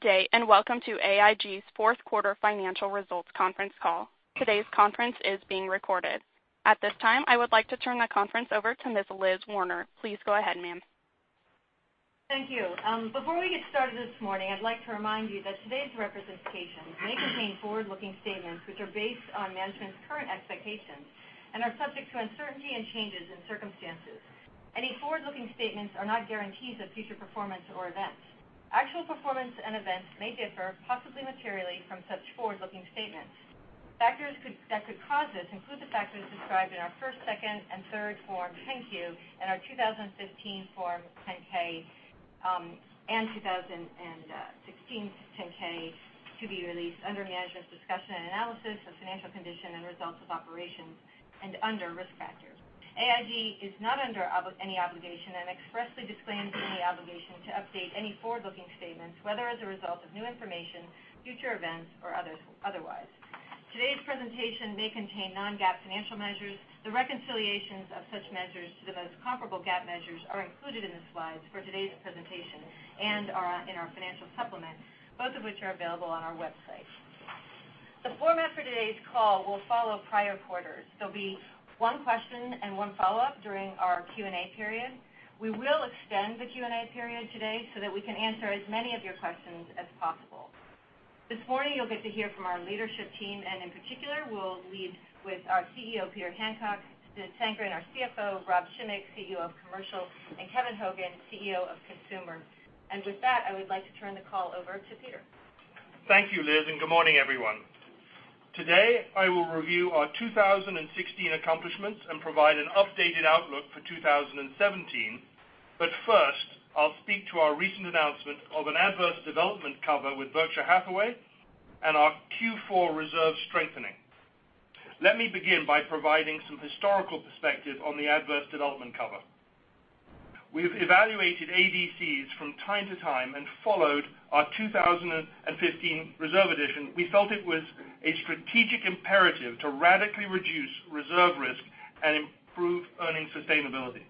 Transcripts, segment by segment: Good day, welcome to AIG's fourth quarter financial results conference call. Today's conference is being recorded. At this time, I would like to turn the conference over to Ms. Elizabeth Werner. Please go ahead, ma'am. Thank you. Before we get started this morning, I'd like to remind you that today's representations may contain forward-looking statements, which are based on management's current expectations and are subject to uncertainty and changes in circumstances. Any forward-looking statements are not guarantees of future performance or events. Actual performance and events may differ possibly materially from such forward-looking statements. Factors that could cause this include the factors described in our first, second, and third Form 10-Q and our 2015 Form 10-K, and 2016 10-K to be released under Management's Discussion and Analysis of Financial Condition and Results of Operations and under Risk Factors. AIG is not under any obligation and expressly disclaims any obligation to update any forward-looking statements, whether as a result of new information, future events, or otherwise. Today's presentation may contain non-GAAP financial measures. The reconciliations of such measures to the most comparable GAAP measures are included in the slides for today's presentation and are in our financial supplement, both of which are available on our website. The format for today's call will follow prior quarters. There'll be one question and one follow-up during our Q&A period. We will extend the Q&A period today so that we can answer as many of your questions as possible. This morning, you'll get to hear from our leadership team, in particular, we'll lead with our CEO, Peter Hancock, Sid Sankaran, our CFO, Rob Schimek, CEO of Commercial, and Kevin Hogan, CEO of Consumer. With that, I would like to turn the call over to Peter. Thank you, Liz, good morning, everyone. Today, I will review our 2016 accomplishments and provide an updated outlook for 2017. First, I'll speak to our recent announcement of an adverse development cover with Berkshire Hathaway and our Q4 reserve strengthening. Let me begin by providing some historical perspective on the adverse development cover. We've evaluated ADCs from time to time and followed our 2015 reserve addition. We felt it was a strategic imperative to radically reduce reserve risk and improve earnings sustainability.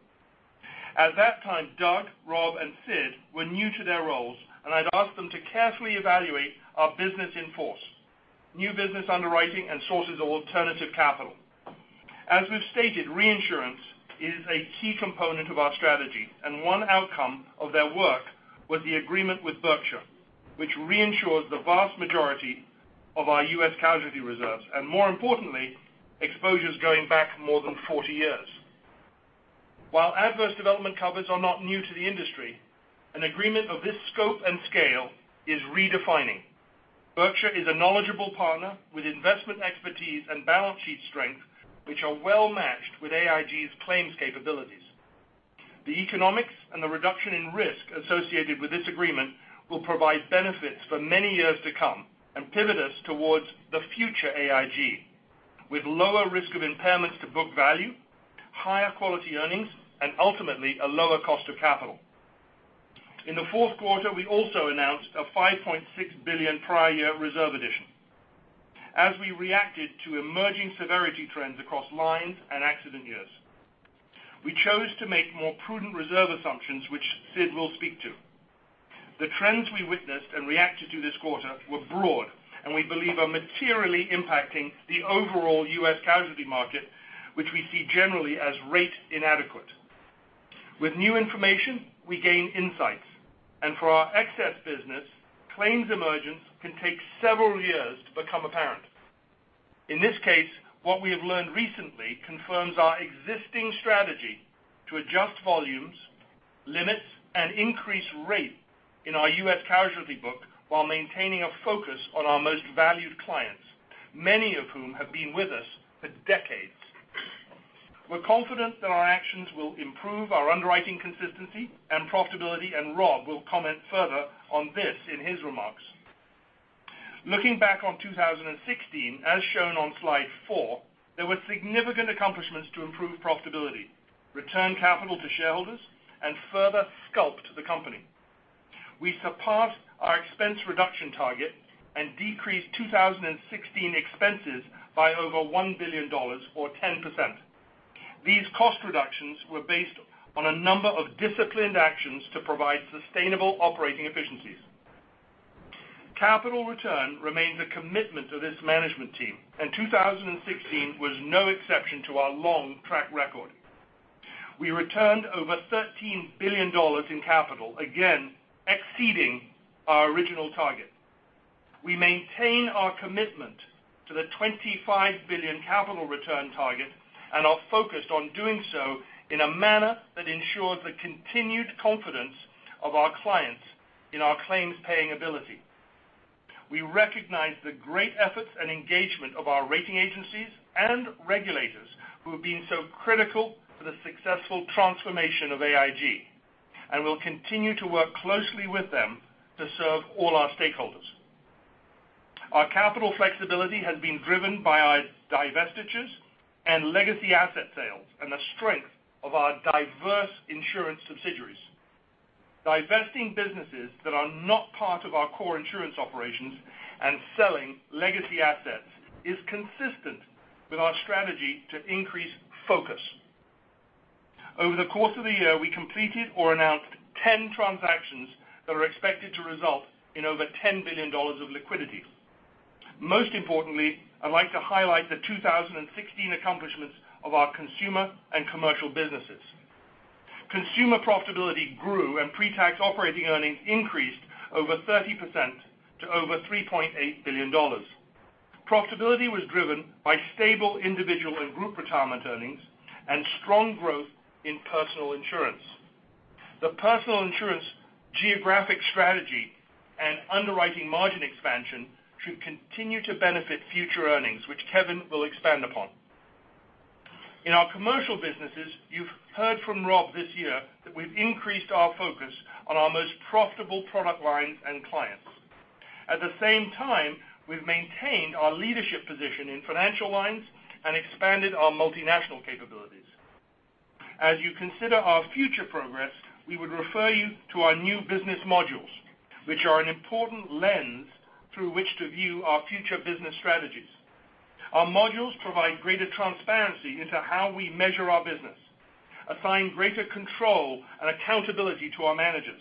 At that time, Doug, Rob, and Sid were new to their roles, and I'd asked them to carefully evaluate our business in force, new business underwriting, and sources of alternative capital. As we've stated, reinsurance is a key component of our strategy, one outcome of their work was the agreement with Berkshire, which reinsures the vast majority of our U.S. casualty reserves, more importantly, exposures going back more than 40 years. While adverse development covers are not new to the industry, an agreement of this scope and scale is redefining. Berkshire is a knowledgeable partner with investment expertise and balance sheet strength, which are well-matched with AIG's claims capabilities. The economics and the reduction in risk associated with this agreement will provide benefits for many years to come and pivot us towards the future AIG. With lower risk of impairments to book value, higher quality earnings, ultimately a lower cost of capital. In the fourth quarter, we also announced a $5.6 billion prior year reserve addition as we reacted to emerging severity trends across lines and accident years. We chose to make more prudent reserve assumptions, which Sid will speak to. The trends we witnessed and reacted to this quarter were broad, we believe are materially impacting the overall U.S. casualty market, which we see generally as rate inadequate. With new information, we gain insights, for our excess business, claims emergence can take several years to become apparent. In this case, what we have learned recently confirms our existing strategy to adjust volumes, limits, and increase rate in our U.S. casualty book while maintaining a focus on our most valued clients, many of whom have been with us for decades. We're confident that our actions will improve our underwriting consistency and profitability, Rob will comment further on this in his remarks. Looking back on 2016, as shown on slide four, there were significant accomplishments to improve profitability, return capital to shareholders, and further sculpt the company. We surpassed our expense reduction target decreased 2016 expenses by over $1 billion or 10%. These cost reductions were based on a number of disciplined actions to provide sustainable operating efficiencies. Capital return remains a commitment to this management team, 2016 was no exception to our long track record. We returned over $13 billion in capital, again, exceeding our original target. We maintain our commitment to the $25 billion capital return target and are focused on doing so in a manner that ensures the continued confidence of our clients in our claims-paying ability. We recognize the great efforts and engagement of our rating agencies and regulators who have been so critical to the successful transformation of AIG, we'll continue to work closely with them to serve all our stakeholders. Our capital flexibility has been driven by our divestitures, legacy asset sales, the strength of our diverse insurance subsidiaries. Divesting businesses that are not part of our core insurance operations and selling legacy assets is consistent with our strategy to increase focus. Over the course of the year, we completed or announced 10 transactions that are expected to result in over $10 billion of liquidity. Most importantly, I'd like to highlight the 2016 accomplishments of our consumer and commercial businesses. Consumer profitability grew, pre-tax operating earnings increased over 30% to over $3.8 billion. Profitability was driven by stable individual and group retirement earnings and strong growth in personal insurance. The personal insurance geographic strategy and underwriting margin expansion should continue to benefit future earnings, which Kevin will expand upon. In our commercial businesses, you've heard from Rob this year that we've increased our focus on our most profitable product lines and clients. At the same time, we've maintained our leadership position in financial lines and expanded our multinational capabilities. As you consider our future progress, we would refer you to our new business modules, which are an important lens through which to view our future business strategies. Our modules provide greater transparency into how we measure our business, assign greater control and accountability to our managers,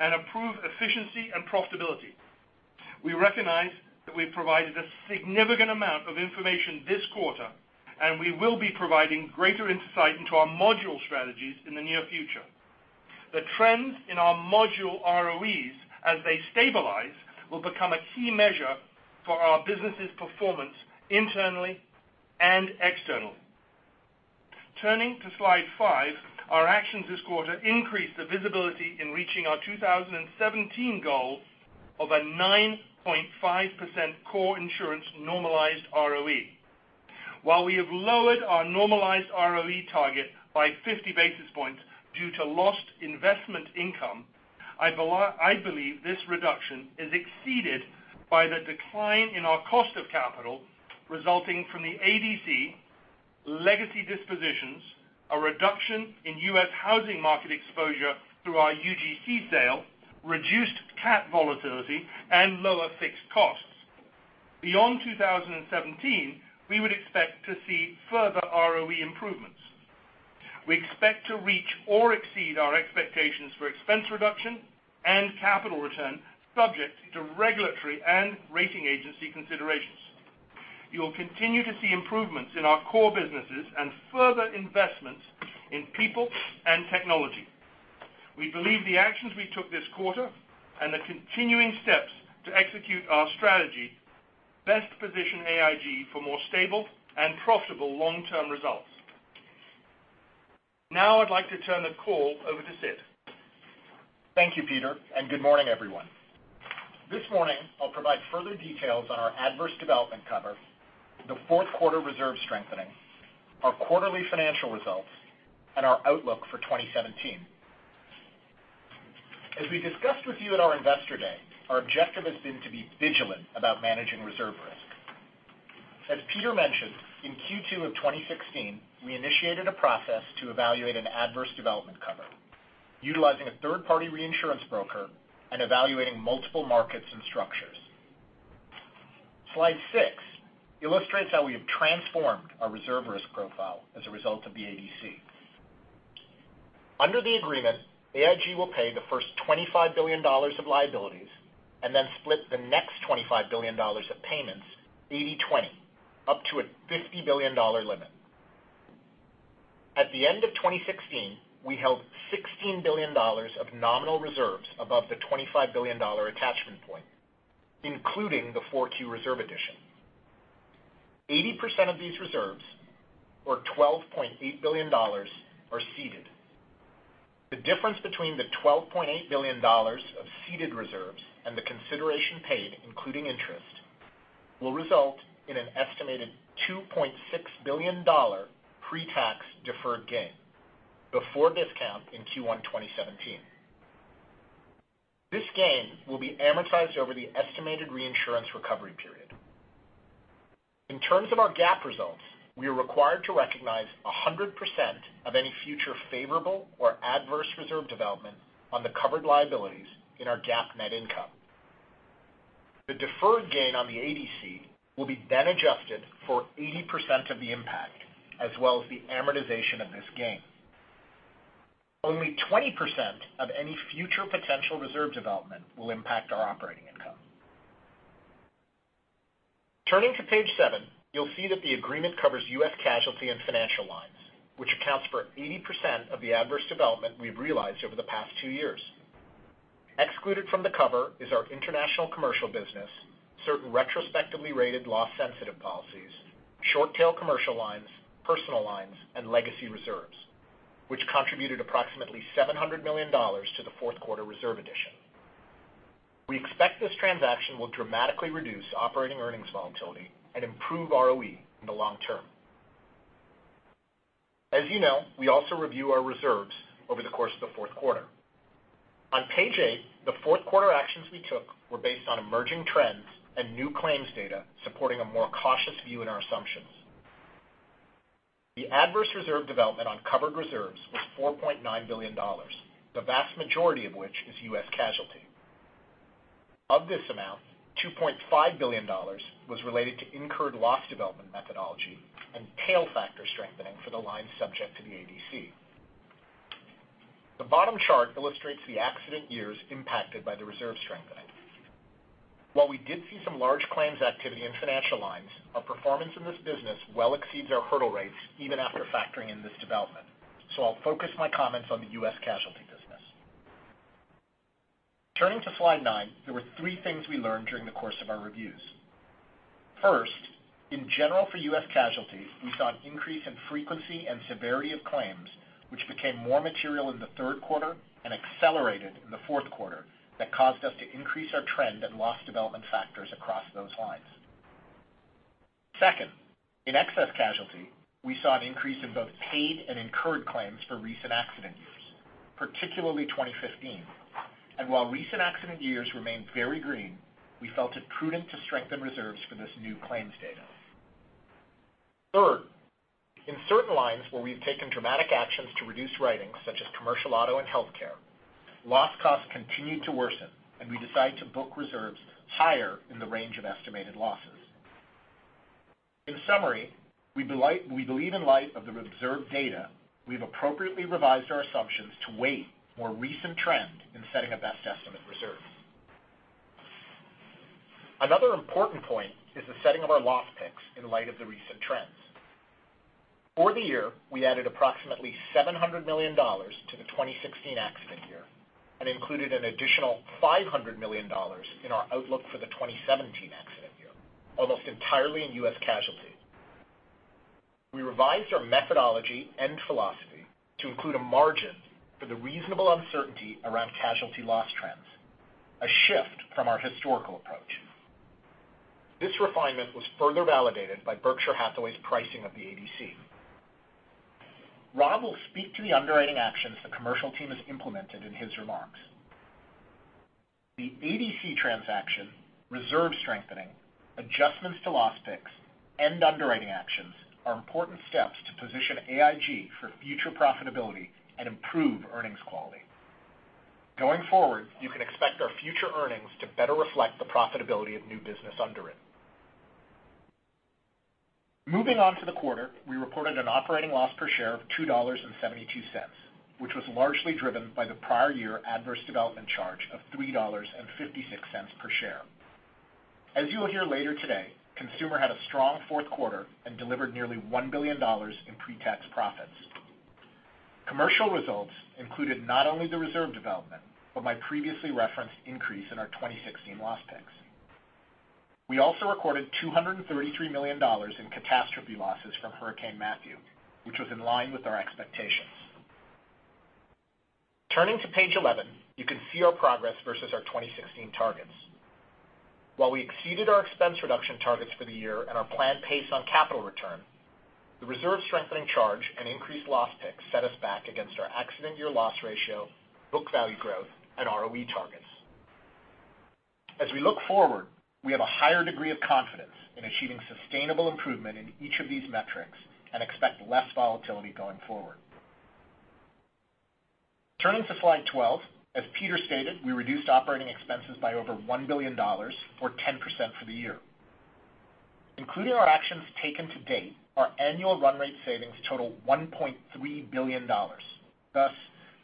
and improve efficiency and profitability. We recognize that we've provided a significant amount of information this quarter, and we will be providing greater insight into our module strategies in the near future. The trends in our module ROEs, as they stabilize, will become a key measure for our business's performance internally and externally. Turning to slide five, our actions this quarter increased the visibility in reaching our 2017 goal of a 9.5% core insurance normalized ROE. While we have lowered our normalized ROE target by 50 basis points due to lost investment income, I believe this reduction is exceeded by the decline in our cost of capital resulting from the ADC legacy dispositions, a reduction in U.S. housing market exposure through our UGC sale, reduced cat volatility, and lower fixed costs. Beyond 2017, we would expect to see further ROE improvements. We expect to reach or exceed our expectations for expense reduction and capital return, subject to regulatory and rating agency considerations. You will continue to see improvements in our core businesses and further investments in people and technology. We believe the actions we took this quarter and the continuing steps to execute our strategy best position AIG for more stable and profitable long-term results. Now I'd like to turn the call over to Sid. Thank you, Peter, good morning, everyone. This morning, I'll provide further details on our adverse development cover, the fourth quarter reserve strengthening, our quarterly financial results, and our outlook for 2017. As we discussed with you at our investor day, our objective has been to be vigilant about managing reserve risk. As Peter mentioned, in Q2 of 2016, we initiated a process to evaluate an adverse development cover, utilizing a third-party reinsurance broker and evaluating multiple markets and structures. Slide six illustrates how we have transformed our reserve risk profile as a result of the ADC. Under the agreement, AIG will pay the first $25 billion of liabilities and then split the next $25 billion of payments 80/20, up to a $50 billion limit. At the end of 2016, we held $16 billion of nominal reserves above the $25 billion attachment point, including the four key reserve additions. 80% of these reserves, or $12.8 billion, are ceded. The difference between the $12.8 billion of ceded reserves and the consideration paid, including interest, will result in an estimated $2.6 billion pre-tax deferred gain before discount in Q1 2017. This gain will be amortized over the estimated reinsurance recovery period. In terms of our GAAP results, we are required to recognize 100% of any future favorable or adverse reserve development on the covered liabilities in our GAAP net income. The deferred gain on the ADC will be then adjusted for 80% of the impact, as well as the amortization of this gain. Only 20% of any future potential reserve development will impact our operating income. Turning to page seven, you'll see that the agreement covers U.S. casualty and financial lines, which accounts for 80% of the adverse development we've realized over the past two years. Excluded from the cover is our international commercial business, certain retrospectively rated loss-sensitive policies, short-tail commercial lines, personal lines, and legacy reserves, which contributed approximately $700 million to the fourth quarter reserve addition. We expect this transaction will dramatically reduce operating earnings volatility and improve ROE in the long term. As you know, we also review our reserves over the course of the fourth quarter. On page eight, the fourth quarter actions we took were based on emerging trends and new claims data supporting a more cautious view in our assumptions. The adverse reserve development on covered reserves was $4.9 billion, the vast majority of which is U.S. casualty. Of this amount, $2.5 billion was related to incurred loss development methodology and tail factor strengthening for the lines subject to the ADC. The bottom chart illustrates the accident years impacted by the reserve strengthening. While we did see some large claims activity in financial lines, our performance in this business well exceeds our hurdle rates even after factoring in this development. I'll focus my comments on the U.S. casualty business. Turning to slide 9, there were three things we learned during the course of our reviews. First, in general for U.S. casualties, we saw an increase in frequency and severity of claims, which became more material in the third quarter and accelerated in the fourth quarter that caused us to increase our trend and loss development factors across those lines. Second, in excess casualty, we saw an increase in both paid and incurred claims for recent accident years, particularly 2015. While recent accident years remained very green, we felt it prudent to strengthen reserves for this new claims data. Third, in certain lines where we've taken dramatic actions to reduce writings such as commercial auto and healthcare, loss costs continued to worsen, and we decided to book reserves higher in the range of estimated losses. In summary, we believe in light of the reserve data, we've appropriately revised our assumptions to weight more recent trend in setting our best estimate reserves. Another important point is the setting of our loss picks in light of the recent trends. For the year, we added approximately $700 million to the 2016 accident year and included an additional $500 million in our outlook for the 2017 accident year, almost entirely in U.S. casualty. We revised our methodology and philosophy to include a margin for the reasonable uncertainty around casualty loss trends, a shift from our historical approach. This refinement was further validated by Berkshire Hathaway's pricing of the ADC. Rob will speak to the underwriting actions the Commercial team has implemented in his remarks. The ADC transaction, reserve strengthening, adjustments to loss picks, and underwriting actions are important steps to position AIG for future profitability and improve earnings quality. Going forward, you can expect our future earnings to better reflect the profitability of new business underwritten. Moving on to the quarter, we reported an operating loss per share of $2.72, which was largely driven by the prior year adverse development charge of $3.56 per share. As you will hear later today, Consumer had a strong fourth quarter and delivered nearly $1 billion in pre-tax profits. Commercial results included not only the reserve development, but my previously referenced increase in our 2016 loss picks. We also recorded $233 million in catastrophe losses from Hurricane Matthew, which was in line with our expectations. Turning to page 11, you can see our progress versus our 2016 targets. While we exceeded our expense reduction targets for the year and our planned pace on capital return, the reserve strengthening charge and increased loss picks set us back against our accident year loss ratio, book value growth, and ROE targets. As we look forward, we have a higher degree of confidence in achieving sustainable improvement in each of these metrics and expect less volatility going forward. Turning to slide 12, as Peter stated, we reduced operating expenses by over $1 billion or 10% for the year. Including our actions taken to date, our annual run rate savings total $1.3 billion. Thus,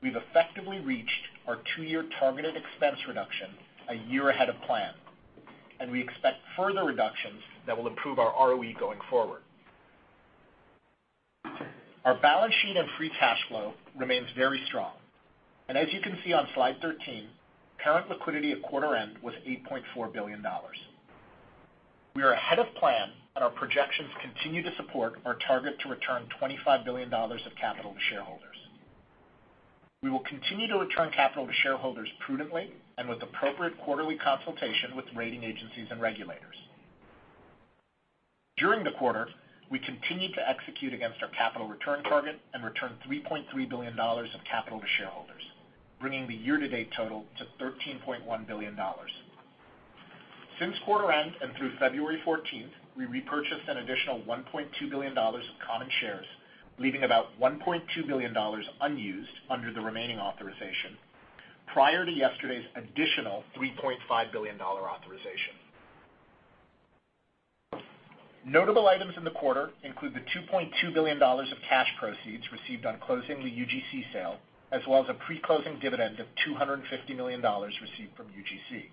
we've effectively reached our two-year targeted expense reduction a year ahead of plan, and we expect further reductions that will improve our ROE going forward. Our balance sheet and free cash flow remains very strong. As you can see on slide 13, parent liquidity at quarter end was $8.4 billion. We are ahead of plan, and our projections continue to support our target to return $25 billion of capital to shareholders. We will continue to return capital to shareholders prudently and with appropriate quarterly consultation with rating agencies and regulators. During the quarter, we continued to execute against our capital return target and returned $3.3 billion of capital to shareholders, bringing the year-to-date total to $13.1 billion. Since quarter end and through February 14th, we repurchased an additional $1.2 billion of common shares, leaving about $1.2 billion unused under the remaining authorization prior to yesterday's additional $3.5 billion authorization. Notable items in the quarter include the $2.2 billion of cash proceeds received on closing the UGC sale, as well as a pre-closing dividend of $250 million received from UGC.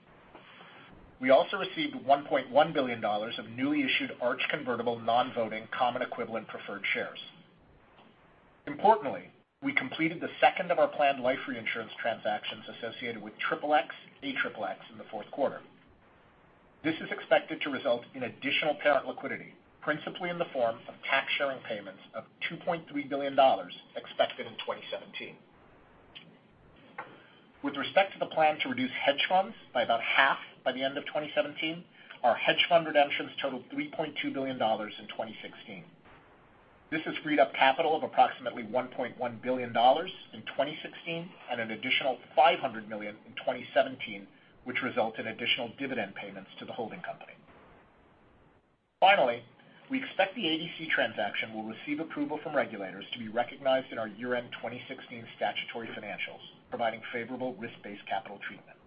We also received $1.1 billion of newly issued Arch convertible non-voting common equivalent preferred shares. Importantly, we completed the second of our planned life reinsurance transactions associated with XXX AXXX in the fourth quarter. This is expected to result in additional parent liquidity, principally in the form of tax sharing payments of $2.3 billion expected in 2017. With respect to the plan to reduce hedge funds by about half by the end of 2017, our hedge fund redemptions totaled $3.2 billion in 2016. This has freed up capital of approximately $1.1 billion in 2016 and an additional $500 million in 2017, which result in additional dividend payments to the holding company. Finally, we expect the ADC transaction will receive approval from regulators to be recognized in our year-end 2016 statutory financials, providing favorable risk-based capital treatment.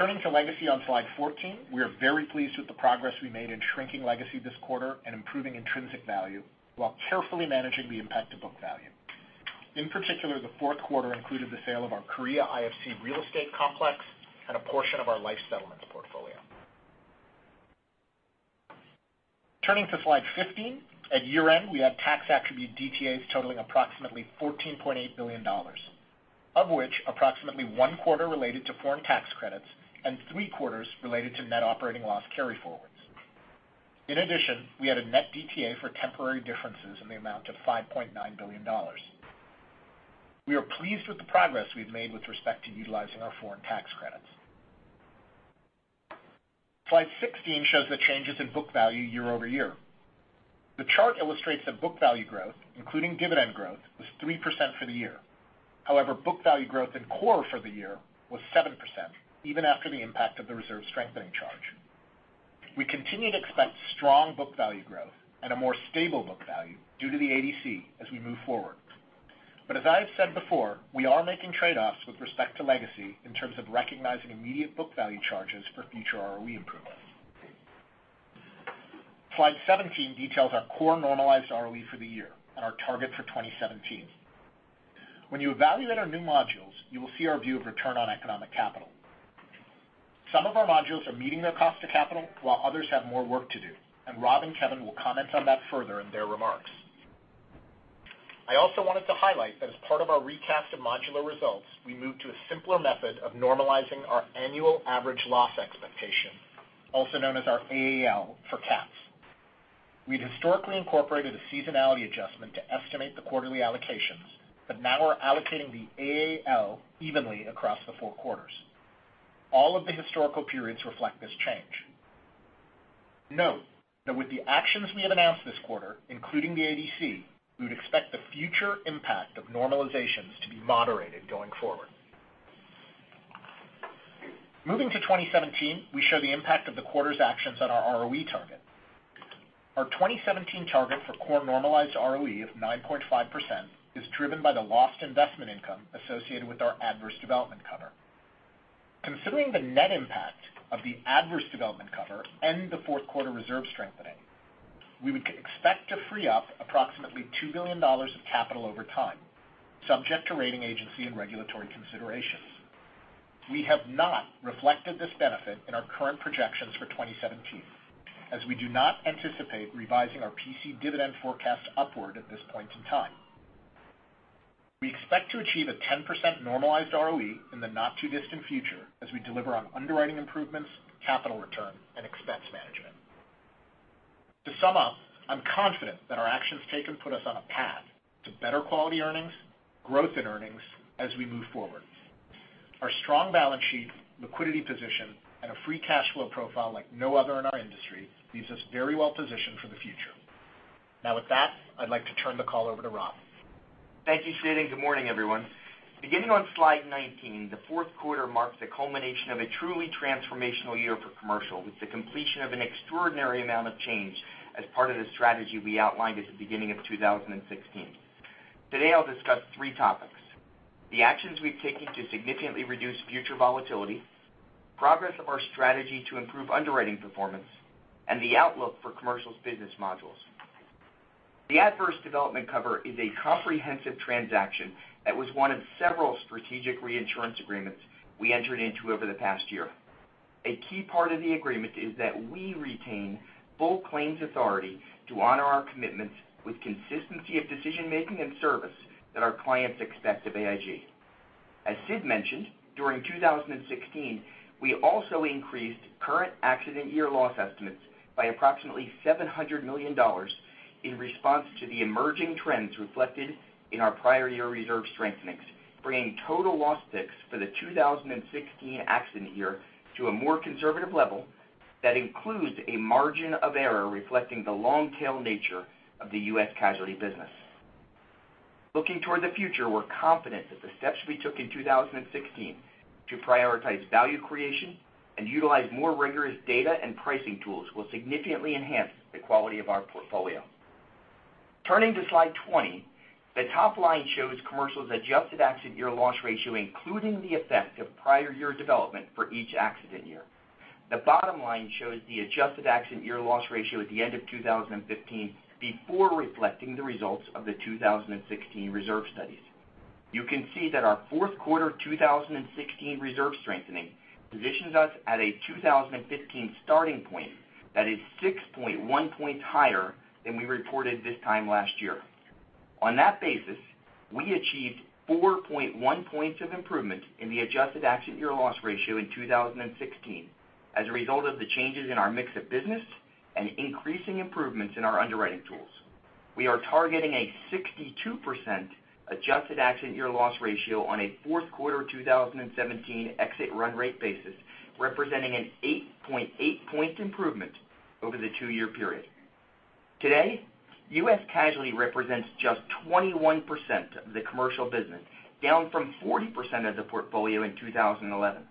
Turning to legacy on slide 14, we are very pleased with the progress we made in shrinking legacy this quarter and improving intrinsic value while carefully managing the impact to book value. In particular, the fourth quarter included the sale of our Korea IFC real estate complex and a portion of our life settlements portfolio. Turning to slide 15, at year-end, we had tax attribute DTAs totaling approximately $14.8 billion, of which approximately one quarter related to foreign tax credits and three quarters related to net operating loss carryforwards. In addition, we had a net DTA for temporary differences in the amount of $5.9 billion. We are pleased with the progress we've made with respect to utilizing our foreign tax credits. Slide 16 shows the changes in book value year-over-year. The chart illustrates that book value growth, including dividend growth, was 3% for the year. Book value growth in core for the year was 7%, even after the impact of the reserve strengthening charge. We continue to expect strong book value growth and a more stable book value due to the ADC as we move forward. As I have said before, we are making trade-offs with respect to legacy in terms of recognizing immediate book value charges for future ROE improvements. Slide 17 details our core normalized ROE for the year and our target for 2017. When you evaluate our new modules, you will see our view of return on economic capital. Some of our modules are meeting their cost of capital while others have more work to do, Rob and Kevin will comment on that further in their remarks. I also wanted to highlight that as part of our recast of modular results, we moved to a simpler method of normalizing our annual average loss expectation, also known as our AAL for cats. We'd historically incorporated a seasonality adjustment to estimate the quarterly allocations, now we're allocating the AAL evenly across the four quarters. All of the historical periods reflect this change. Note that with the actions we have announced this quarter, including the ADC, we would expect the future impact of normalizations to be moderated going forward. Moving to 2017, we show the impact of the quarter's actions on our ROE target. Our 2017 target for core normalized ROE of 9.5% is driven by the lost investment income associated with our adverse development cover. Considering the net impact of the adverse development cover and the fourth quarter reserve strengthening, we would expect to free up approximately $2 billion of capital over time, subject to rating agency and regulatory considerations. We have not reflected this benefit in our current projections for 2017, as we do not anticipate revising our P&C dividend forecast upward at this point in time. We expect to achieve a 10% normalized ROE in the not-too-distant future as we deliver on underwriting improvements, capital return, and expense management. To sum up, I'm confident that our actions taken put us on a path to better quality earnings, growth in earnings as we move forward. Our strong balance sheet, liquidity position, and a free cash flow profile like no other in our industry leaves us very well positioned for the future. Now with that, I'd like to turn the call over to Rob. Thank you, Sid, and good morning, everyone. Beginning on slide 19, the fourth quarter marks the culmination of a truly transformational year for Commercial with the completion of an extraordinary amount of change as part of the strategy we outlined at the beginning of 2016. Today, I'll discuss three topics: the actions we've taken to significantly reduce future volatility, progress of our strategy to improve underwriting performance, and the outlook for Commercial's business modules. The adverse development cover is a comprehensive transaction that was one of several strategic reinsurance agreements we entered into over the past year. A key part of the agreement is that we retain full claims authority to honor our commitments with consistency of decision-making and service that our clients expect of AIG. As Sid mentioned, during 2016, we also increased current accident year loss estimates by approximately $700 million in response to the emerging trends reflected in our prior year reserve strengthenings, bringing total loss picks for the 2016 accident year to a more conservative level that includes a margin of error reflecting the long-tail nature of the U.S. casualty business. Looking toward the future, we're confident that the steps we took in 2016 to prioritize value creation and utilize more rigorous data and pricing tools will significantly enhance the quality of our portfolio. Turning to slide 20, the top line shows Commercial's adjusted accident year loss ratio, including the effect of prior year development for each accident year. The bottom line shows the adjusted accident year loss ratio at the end of 2015 before reflecting the results of the 2016 reserve studies. You can see that our fourth quarter 2016 reserve strengthening positions us at a 2015 starting point that is 6.1 points higher than we reported this time last year. On that basis, we achieved 4.1 points of improvement in the adjusted acident year loss ratio in 2016 as a result of the changes in our mix of business and increasing improvements in our underwriting tools. We are targeting a 62% adjusted accident year loss ratio on a fourth quarter 2017 exit run rate basis, representing an 8.8 point improvement over the two-year period. Today, U.S. Casualty represents just 21% of the commercial business, down from 40% of the portfolio in 2011.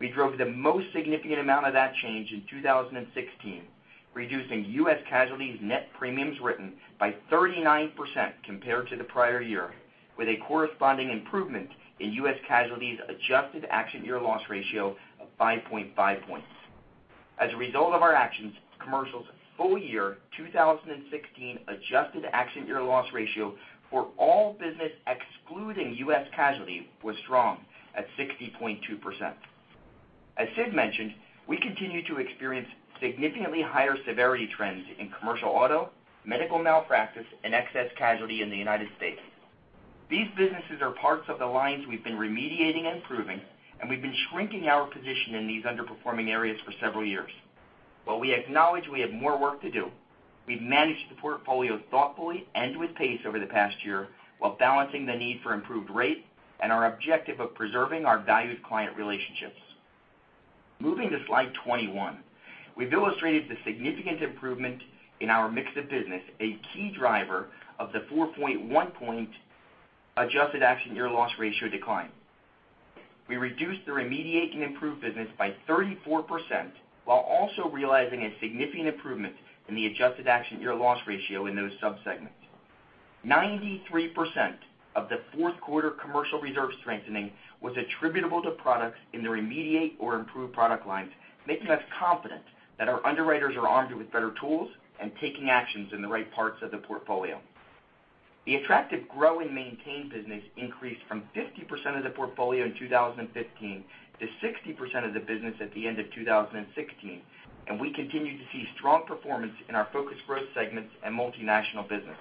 We drove the most significant amount of that change in 2016, reducing U.S. Casualty's net premiums written by 39% compared to the prior year, with a corresponding improvement in U.S. Casualty's adjusted accident year loss ratio of 5.5 points. As a result of our actions, Commercial's full year 2016 adjusted accident year loss ratio for all business excluding U.S. Casualty was strong at 60.2%. As Sid mentioned, we continue to experience significantly higher severity trends in commercial auto, medical malpractice, and excess casualty in the United States. These businesses are parts of the lines we've been remediating and improving, and we've been shrinking our position in these underperforming areas for several years. While we acknowledge we have more work to do, we've managed the portfolio thoughtfully and with pace over the past year while balancing the need for improved rate and our objective of preserving our valued client relationships. Moving to slide 21, we've illustrated the significant improvement in our mix of business, a key driver of the 4.1 point adjusted accident year loss ratio decline. We reduced the remediate and improved business by 34%, while also realizing a significant improvement in the adjusted accident year loss ratio in those sub-segments. 93% of the fourth quarter commercial reserve strengthening was attributable to products in the remediate or improved product lines, making us confident that our underwriters are armed with better tools and taking actions in the right parts of the portfolio. The attractive grow and maintain business increased from 50% of the portfolio in 2015 to 60% of the business at the end of 2016, and we continue to see strong performance in our focused growth segments and multinational business.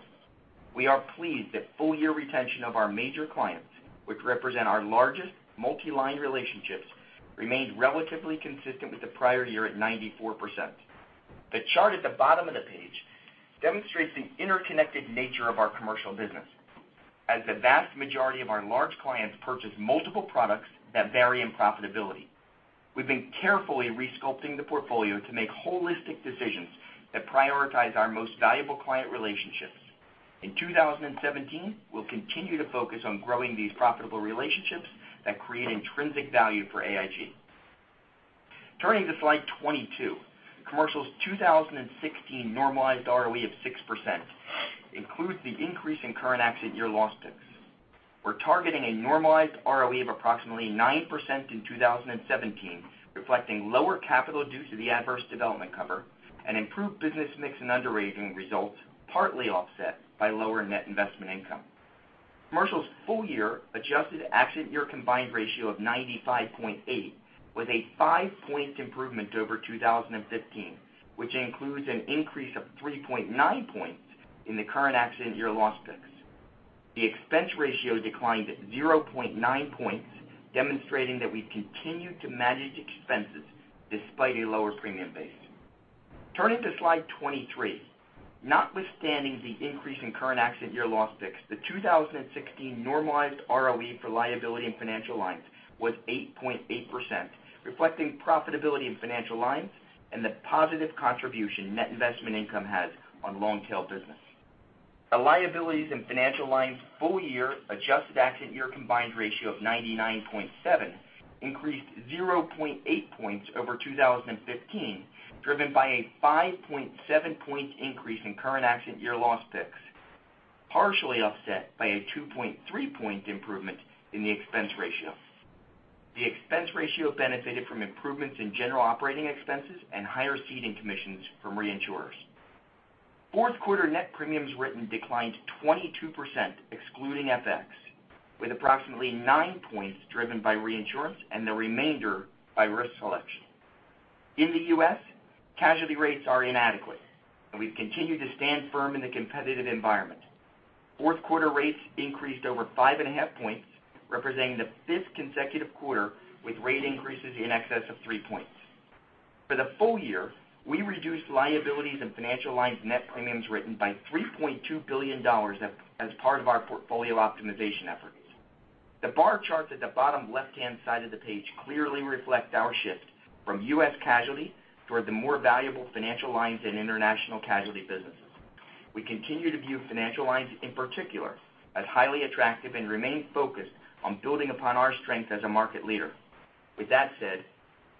We are pleased that full-year retention of our major clients, which represent our largest multi-line relationships, remained relatively consistent with the prior year at 94%. The chart at the bottom of the page demonstrates the interconnected nature of our commercial business, as the vast majority of our large clients purchase multiple products that vary in profitability. We've been carefully resculpting the portfolio to make holistic decisions that prioritize our most valuable client relationships. In 2017, we'll continue to focus on growing these profitable relationships that create intrinsic value for AIG. Turning to slide 22. Commercial's 2016 normalized ROE of 6% includes the increase in current accident year loss picks. We're targeting a normalized ROE of approximately 9% in 2017, reflecting lower capital due to the adverse development cover and improved business mix and underwriting results, partly offset by lower net investment income. Commercial's full-year adjusted accident year combined ratio of 95.8 was a five-point improvement over 2015, which includes an increase of 3.9 points in the current accident year loss picks. The expense ratio declined to 0.9 points, demonstrating that we continue to manage expenses despite a lower premium base. Turning to slide 23. Notwithstanding the increase in current accident year loss picks, the 2016 normalized ROE for liability and financial lines was 8.8%, reflecting profitability in financial lines and the positive contribution net investment income has on long-tail business. The liabilities and financial lines full-year adjusted accident year combined ratio of 99.7 increased 0.8 points over 2015, driven by a 5.7 point increase in current accident year loss picks, partially offset by a 2.3 point improvement in the expense ratio. The expense ratio benefited from improvements in general operating expenses and higher ceding commissions from reinsurers. Fourth quarter net premiums written declined 22%, excluding FX, with approximately nine points driven by reinsurance and the remainder by risk selection. In the U.S., casualty rates are inadequate, and we've continued to stand firm in the competitive environment. Fourth quarter rates increased over five and a half points, representing the fifth consecutive quarter with rate increases in excess of three points. For the full year, we reduced liabilities and financial lines net premiums written by $3.2 billion as part of our portfolio optimization efforts. The bar chart at the bottom left-hand side of the page clearly reflects our shift from U.S. Casualty toward the more valuable financial lines and international casualty businesses. We continue to view financial lines, in particular, as highly attractive and remain focused on building upon our strength as a market leader. With that said,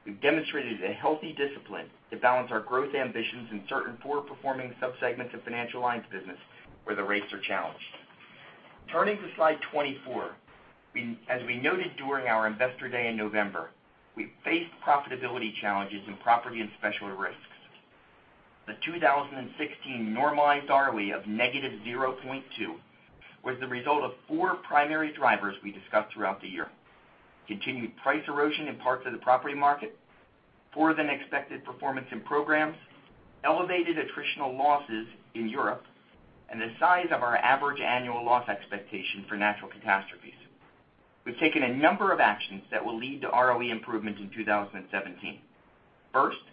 we've demonstrated a healthy discipline to balance our growth ambitions in certain poor-performing sub-segments of financial lines business where the rates are challenged. Turning to slide 24. As we noted during our Investor Day in November, we faced profitability challenges in Property and Specialty Risks. The 2016 normalized ROE of negative 0.2 was the result of four primary drivers we discussed throughout the year: continued price erosion in parts of the property market, poorer-than-expected performance in programs, elevated attritional losses in Europe, and the size of our average annual loss expectation for natural catastrophes. We've taken a number of actions that will lead to ROE improvement in 2017. First, we've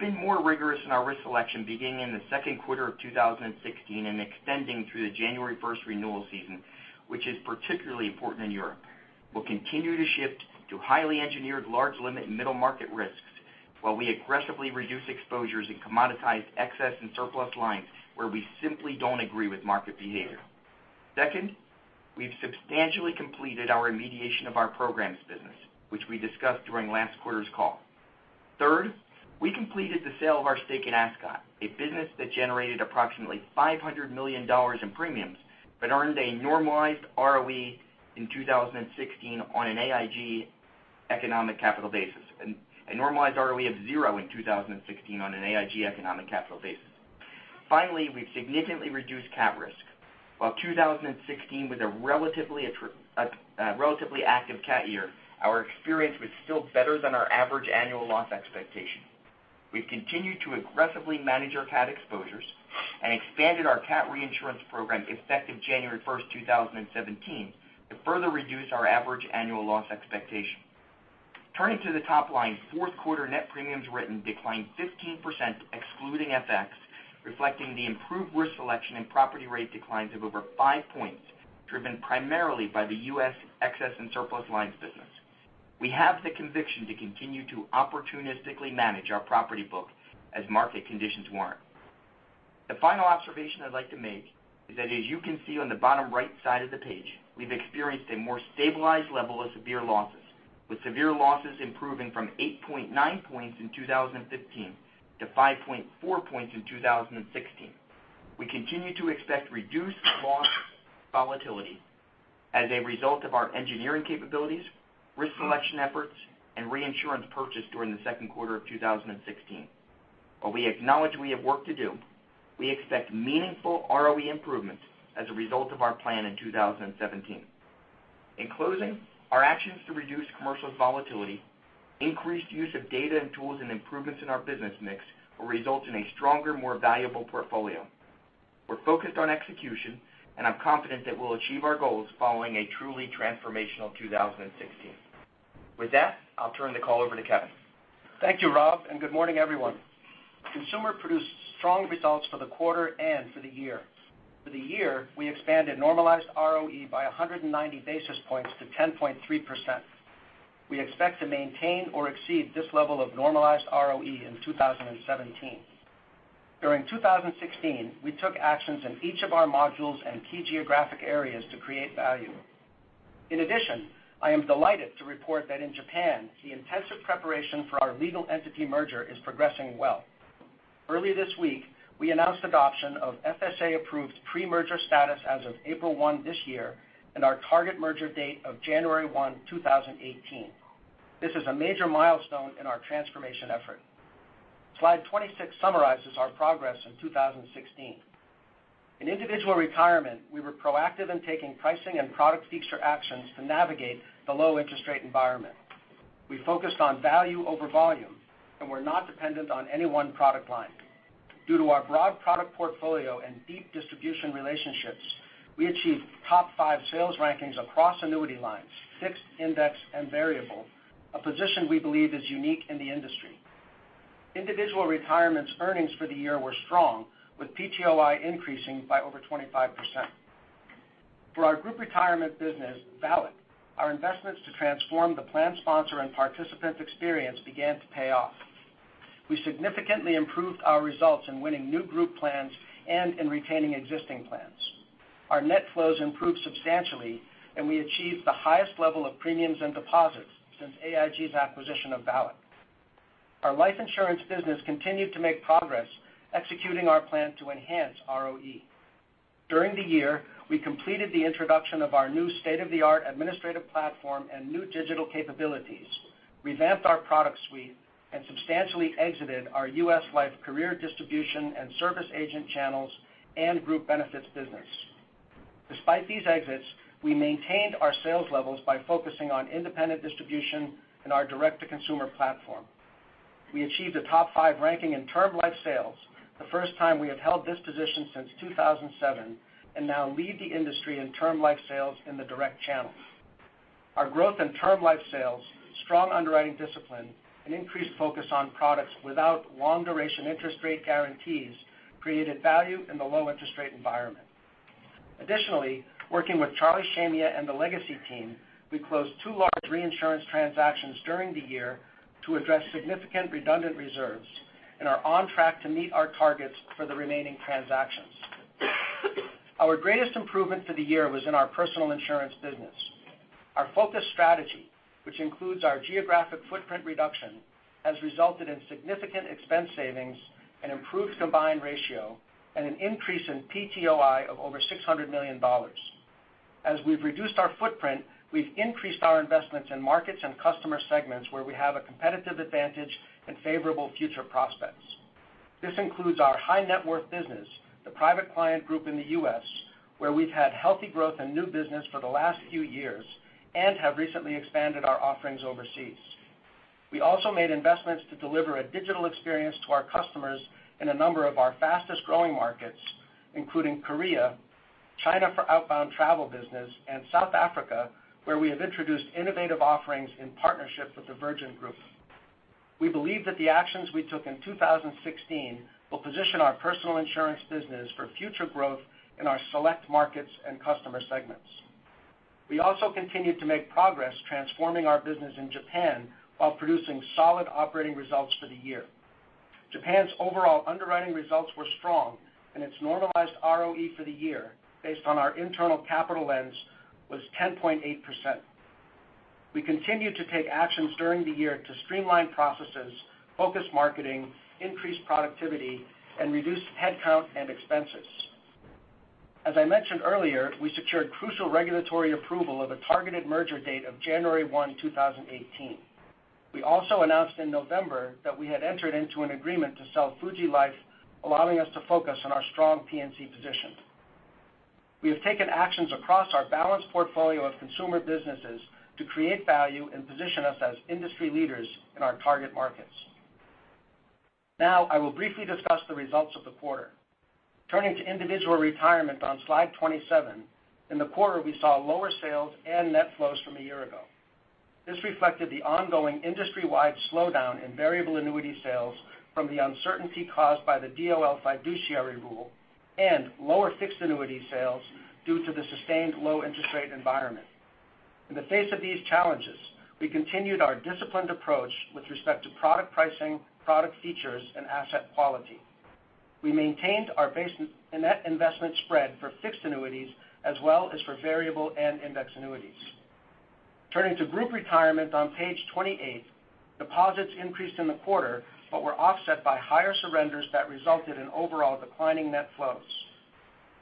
been more rigorous in our risk selection beginning in the second quarter of 2016 and extending through the January 1st renewal season, which is particularly important in Europe. We'll continue to shift to highly engineered large limit and middle market risks while we aggressively reduce exposures in commoditized excess and surplus lines where we simply don't agree with market behavior. Second, we've substantially completed our remediation of our programs business, which we discussed during last quarter's call. Third, we completed the sale of our stake in Ascot, a business that generated approximately $500 million in premiums, but earned a normalized ROE in 2016 on an AIG economic capital basis, and a normalized ROE of zero in 2016 on an AIG economic capital basis. Finally, we've significantly reduced cat risk. While 2016 was a relatively active cat year, our experience was still better than our average annual loss expectation. We've continued to aggressively manage our cat exposures and expanded our cat reinsurance program effective January 1st, 2017, to further reduce our average annual loss expectation. Turning to the top line, fourth quarter net premiums written declined 15% excluding FX, reflecting the improved risk selection and property rate declines of over five points, driven primarily by the U.S. excess and surplus lines business. We have the conviction to continue to opportunistically manage our property book as market conditions warrant. The final observation I'd like to make is that as you can see on the bottom right side of the page, we've experienced a more stabilized level of severe losses, with severe losses improving from 8.9 points in 2015 to 5.4 points in 2016. We continue to expect reduced loss volatility as a result of our engineering capabilities, risk selection efforts, and reinsurance purchase during the second quarter of 2016. While we acknowledge we have work to do, we expect meaningful ROE improvements as a result of our plan in 2017. In closing, our actions to reduce commercial volatility, increased use of data and tools, and improvements in our business mix will result in a stronger, more valuable portfolio. We're focused on execution, and I'm confident that we'll achieve our goals following a truly transformational 2016. With that, I'll turn the call over to Kevin. Thank you, Rob. Good morning, everyone. Consumer produced strong results for the quarter and for the year. For the year, we expanded normalized ROE by 190 basis points to 10.3%. We expect to maintain or exceed this level of normalized ROE in 2017. During 2016, we took actions in each of our modules and key geographic areas to create value. I am delighted to report that in Japan, the intensive preparation for our legal entity merger is progressing well. Early this week, we announced adoption of FSA-approved pre-merger status as of April 1 this year and our target merger date of January 1, 2018. This is a major milestone in our transformation effort. Slide 26 summarizes our progress in 2016. In individual retirement, we were proactive in taking pricing and product feature actions to navigate the low interest rate environment. We focused on value over volume and were not dependent on any one product line. Due to our broad product portfolio and deep distribution relationships, we achieved top five sales rankings across annuity lines, fixed, index, and variable, a position we believe is unique in the industry. Individual Retirement's earnings for the year were strong, with PTOI increasing by over 25%. For our Group Retirement business, VALIC, our investments to transform the plan sponsor and participant experience began to pay off. We significantly improved our results in winning new group plans and in retaining existing plans. Our net flows improved substantially. We achieved the highest level of premiums and deposits since AIG's acquisition of VALIC. Our life insurance business continued to make progress executing our plan to enhance ROE. During the year, we completed the introduction of our new state-of-the-art administrative platform and new digital capabilities, revamped our product suite, substantially exited our U.S. Life career distribution and service agent channels and group benefits business. Despite these exits, we maintained our sales levels by focusing on independent distribution and our direct-to-consumer platform. We achieved a top five ranking in term life sales, the first time we have held this position since 2007. Now lead the industry in term life sales in the direct channel. Our growth in term life sales, strong underwriting discipline, and increased focus on products without long-duration interest rate guarantees created value in the low interest rate environment. Working with Charlie Shamieh and the legacy team, we closed two large reinsurance transactions during the year to address significant redundant reserves and are on track to meet our targets for the remaining transactions. Our greatest improvement for the year was in our personal insurance business. Our focused strategy, which includes our geographic footprint reduction, has resulted in significant expense savings and improved combined ratio, an increase in PTOI of over $600 million. As we've reduced our footprint, we've increased our investments in markets and customer segments where we have a competitive advantage and favorable future prospects. This includes our high net worth business, the Private Client Group in the U.S., where we've had healthy growth and new business for the last few years, have recently expanded our offerings overseas. We also made investments to deliver a digital experience to our customers in a number of our fastest-growing markets, including Korea, China for outbound travel business, and South Africa, where we have introduced innovative offerings in partnership with the Virgin Group. We believe that the actions we took in 2016 will position our personal insurance business for future growth in our select markets and customer segments. We also continued to make progress transforming our business in Japan while producing solid operating results for the year. Japan's overall underwriting results were strong, and its normalized ROE for the year, based on our internal capital lens, was 10.8%. We continued to take actions during the year to streamline processes, focus marketing, increase productivity, and reduce headcount and expenses. As I mentioned earlier, we secured crucial regulatory approval of a targeted merger date of January 1, 2018. We also announced in November that we had entered into an agreement to sell Fuji Life, allowing us to focus on our strong P&C position. We have taken actions across our balanced portfolio of consumer businesses to create value and position us as industry leaders in our target markets. I will briefly discuss the results of the quarter. Turning to individual retirement on slide 27, in the quarter, we saw lower sales and net flows from a year ago. This reflected the ongoing industry-wide slowdown in variable annuity sales from the uncertainty caused by the DOL fiduciary rule and lower fixed annuity sales due to the sustained low interest rate environment. In the face of these challenges, we continued our disciplined approach with respect to product pricing, product features, and asset quality. We maintained our base net investment spread for fixed annuities as well as for variable and index annuities. Turning to group retirement on page 28, deposits increased in the quarter but were offset by higher surrenders that resulted in overall declining net flows.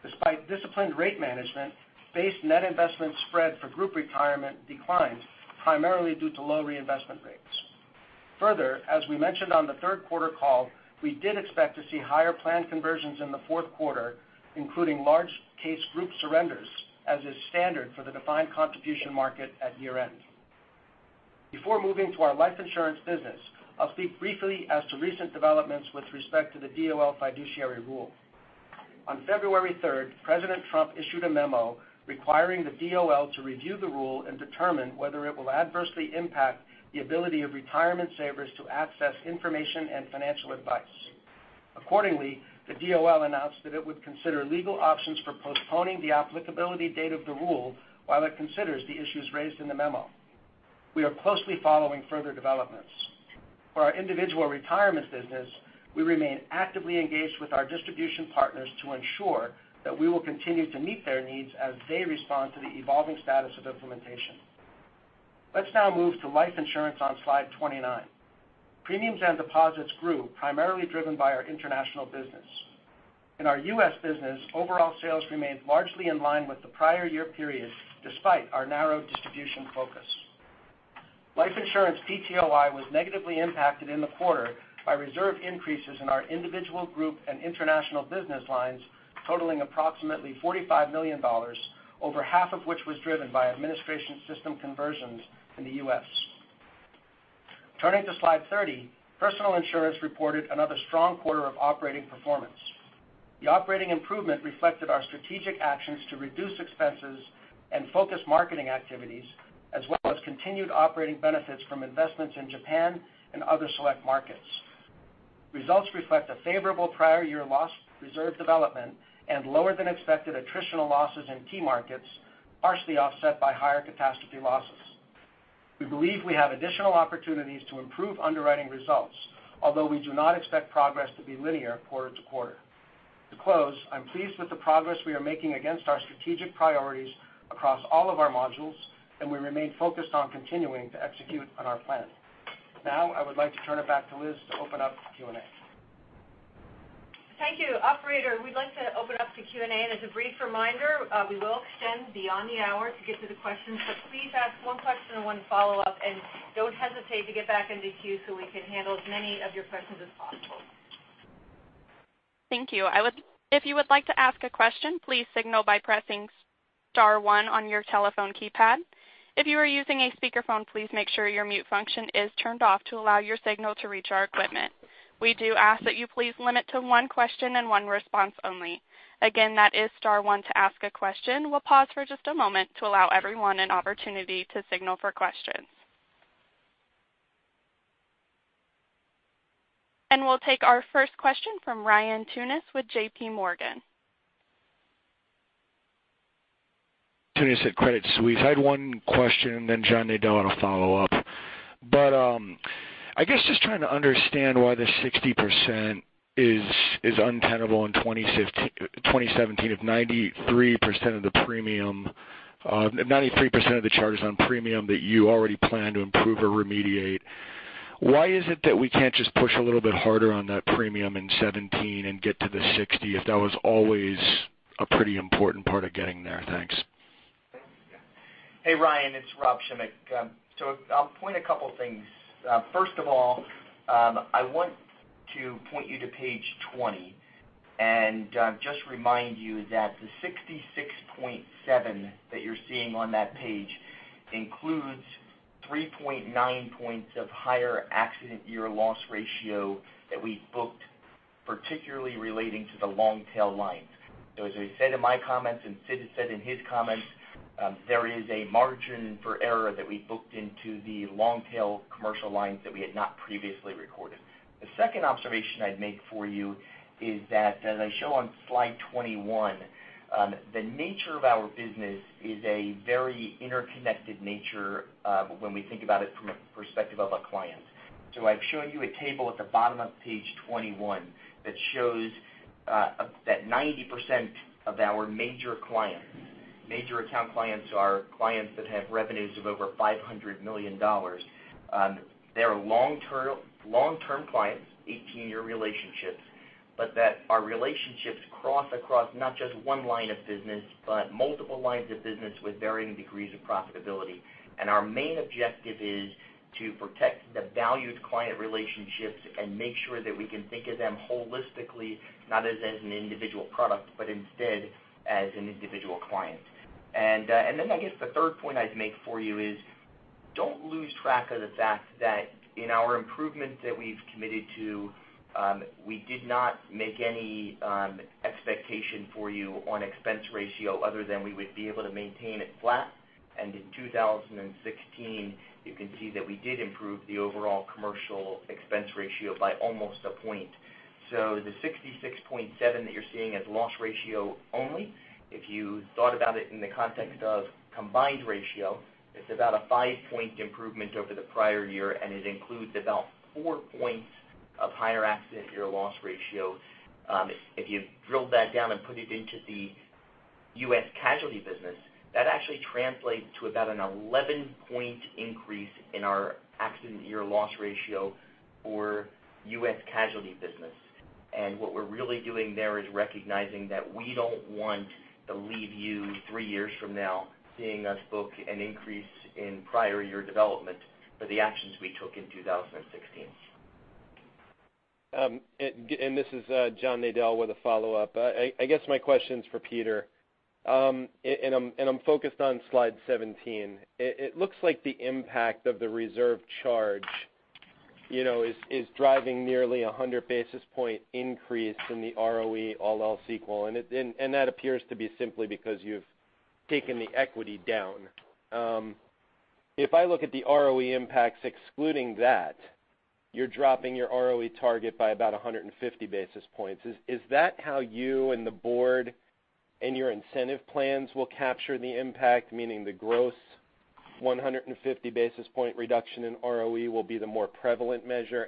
Despite disciplined rate management, base net investment spread for group retirement declined, primarily due to low reinvestment rates. Further, as we mentioned on the third quarter call, we did expect to see higher plan conversions in the fourth quarter, including large case group surrenders, as is standard for the defined contribution market at year-end. Before moving to our life insurance business, I'll speak briefly as to recent developments with respect to the DOL fiduciary rule. On February 3rd, President Trump issued a memo requiring the DOL to review the rule and determine whether it will adversely impact the ability of retirement savers to access information and financial advice. The DOL announced that it would consider legal options for postponing the applicability date of the rule while it considers the issues raised in the memo. We are closely following further developments. For our individual retirement business, we remain actively engaged with our distribution partners to ensure that we will continue to meet their needs as they respond to the evolving status of implementation. Let's now move to life insurance on slide 29. Premiums and deposits grew, primarily driven by our international business. In our U.S. business, overall sales remained largely in line with the prior year periods, despite our narrow distribution focus. Life insurance PTOI was negatively impacted in the quarter by reserve increases in our individual group and international business lines totaling approximately $45 million, over half of which was driven by administration system conversions in the U.S. Turning to slide 30, personal insurance reported another strong quarter of operating performance. The operating improvement reflected our strategic actions to reduce expenses and focus marketing activities, as well as continued operating benefits from investments in Japan and other select markets. Results reflect a favorable prior year loss reserve development and lower than expected attritional losses in key markets, partially offset by higher catastrophe losses. We believe we have additional opportunities to improve underwriting results, although we do not expect progress to be linear quarter to quarter. To close, I'm pleased with the progress we are making against our strategic priorities across all of our modules, and we remain focused on continuing to execute on our plan. Now, I would like to turn it back to Liz to open up Q&A. Thank you. Operator, we'd like to open up to Q&A. As a brief reminder, we will extend beyond the hour to get to the questions. Please ask one question and one follow-up, and don't hesitate to get back into queue so we can handle as many of your questions as possible. Thank you. If you would like to ask a question, please signal by pressing star one on your telephone keypad. If you are using a speakerphone, please make sure your mute function is turned off to allow your signal to reach our equipment. We do ask that you please limit to one question and one response only. Again, that is star one to ask a question. We'll pause for just a moment to allow everyone an opportunity to signal for questions. We'll take our first question from Ryan Tunis with JPMorgan. Tunis at Credit Suisse. I had one question, then John Nadel on a follow-up. I guess just trying to understand why the 60% is untenable in 2017 if 93% of the charges on premium that you already plan to improve or remediate. Why is it that we can't just push a little bit harder on that premium in 2017 and get to the 60% if that was always a pretty important part of getting there? Thanks. Hey, Ryan, it's Rob Schimek. I'll point a couple of things. First of all, I want to point you to page 20 and just remind you that the 66.7 that you're seeing on that page includes 3.9 points of higher accident year loss ratio that we booked particularly relating to the long-tail lines. As I said in my comments, and Sid has said in his comments, there is a margin for error that we booked into the long-tail commercial lines that we had not previously recorded. The second observation I'd make for you is that as I show on slide 21, the nature of our business is a very interconnected nature when we think about it from a perspective of a client. I've shown you a table at the bottom of page 21 that shows that 90% of our major clients, major account clients are clients that have revenues of over $500 million. They're long-term clients, 18-year relationships, but that our relationships cross across not just one line of business, but multiple lines of business with varying degrees of profitability. Our main objective is to protect the valued client relationships and make sure that we can think of them holistically, not as an individual product, but instead as an individual client. I guess the third point I'd make for you is, don't lose track of the fact that in our improvements that we've committed to, we did not make any expectation for you on expense ratio other than we would be able to maintain it flat. In 2016, you can see that we did improve the overall commercial expense ratio by almost a point. The 66.7 that you're seeing is loss ratio only. If you thought about it in the context of combined ratio, it's about a five-point improvement over the prior year, and it includes about four points of higher accident year loss ratio. If you drilled that down and put it into the U.S. casualty business, that actually translates to about an 11-point increase in our accident year loss ratio for U.S. casualty business. What we're really doing there is recognizing that we don't want to leave you three years from now seeing us book an increase in prior year development for the actions we took in 2016. This is John Nadel with a follow-up. I guess my question is for Peter, and I'm focused on slide 17. It looks like the impact of the reserve charge is driving nearly 100 basis point increase in the ROE, all else equal, and that appears to be simply because you've taken the equity down. If I look at the ROE impacts excluding that, you're dropping your ROE target by about 150 basis points. Is that how you and the board and your incentive plans will capture the impact, meaning the gross 150 basis point reduction in ROE will be the more prevalent measure?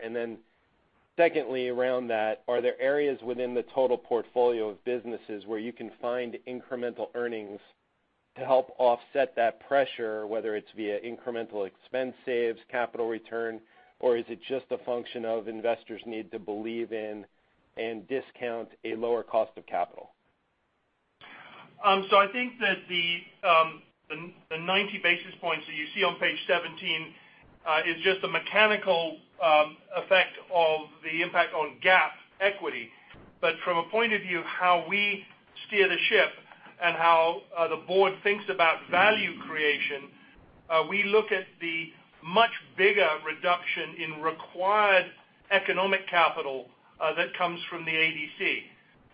Secondly, around that, are there areas within the total portfolio of businesses where you can find incremental earnings to help offset that pressure, whether it is via incremental expense saves, capital return, or is it just a function of investors need to believe in and discount a lower cost of capital? I think that the 90 basis points that you see on page 17 is just a mechanical effect of the impact on GAAP equity. From a point of view of how we steer the ship and how the board thinks about value creation, we look at the much bigger reduction in required economic capital that comes from the ADC.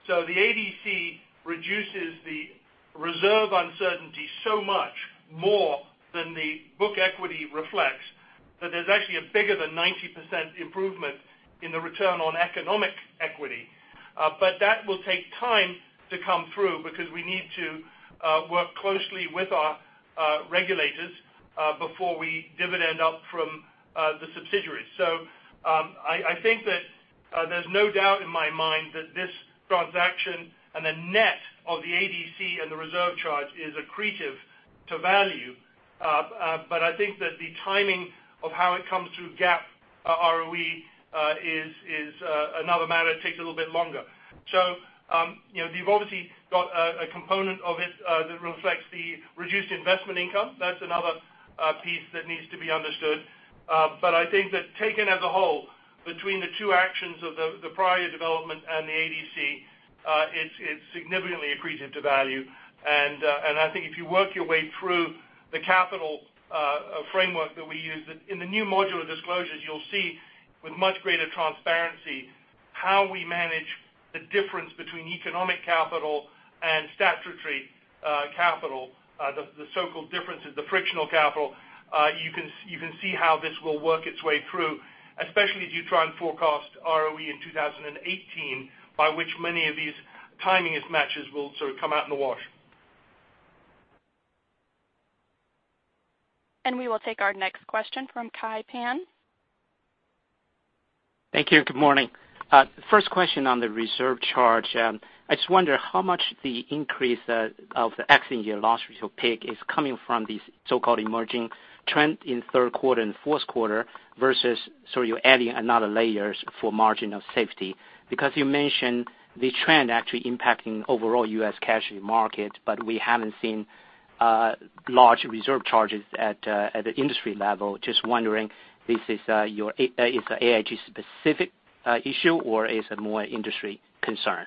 The ADC reduces the reserve uncertainty so much more than the book equity reflects that there is actually a bigger than 90% improvement in the return on economic equity. That will take time to come through because we need to work closely with our regulators before we dividend up from the subsidiary. I think that there is no doubt in my mind that this transaction and the net of the ADC and the reserve charge is accretive to value. I think that the timing of how it comes through GAAP ROE is another matter. It takes a little bit longer. You have obviously got a component of it that reflects the reduced investment income. That is another piece that needs to be understood. I think that taken as a whole between the two actions of the prior year development and the ADC, it is significantly accretive to value. I think if you work your way through the capital framework that we use, in the new modular disclosures, you will see with much greater transparency how we manage the difference between economic capital and statutory capital, the so-called differences, the frictional capital. You can see how this will work its way through, especially as you try and forecast ROE in 2018, by which many of these timing mismatches will sort of come out in the wash. We will take our next question from Kai Pan. Thank you. Good morning. First question on the reserve charge. I just wonder how much the increase of the accident year loss ratio pick is coming from these so-called emerging trend in third quarter and fourth quarter versus you're adding another layers for margin of safety. Because you mentioned the trend actually impacting overall U.S. casualty market, but we haven't seen large reserve charges at the industry level. Just wondering if AIG specific issue or is it more industry concern?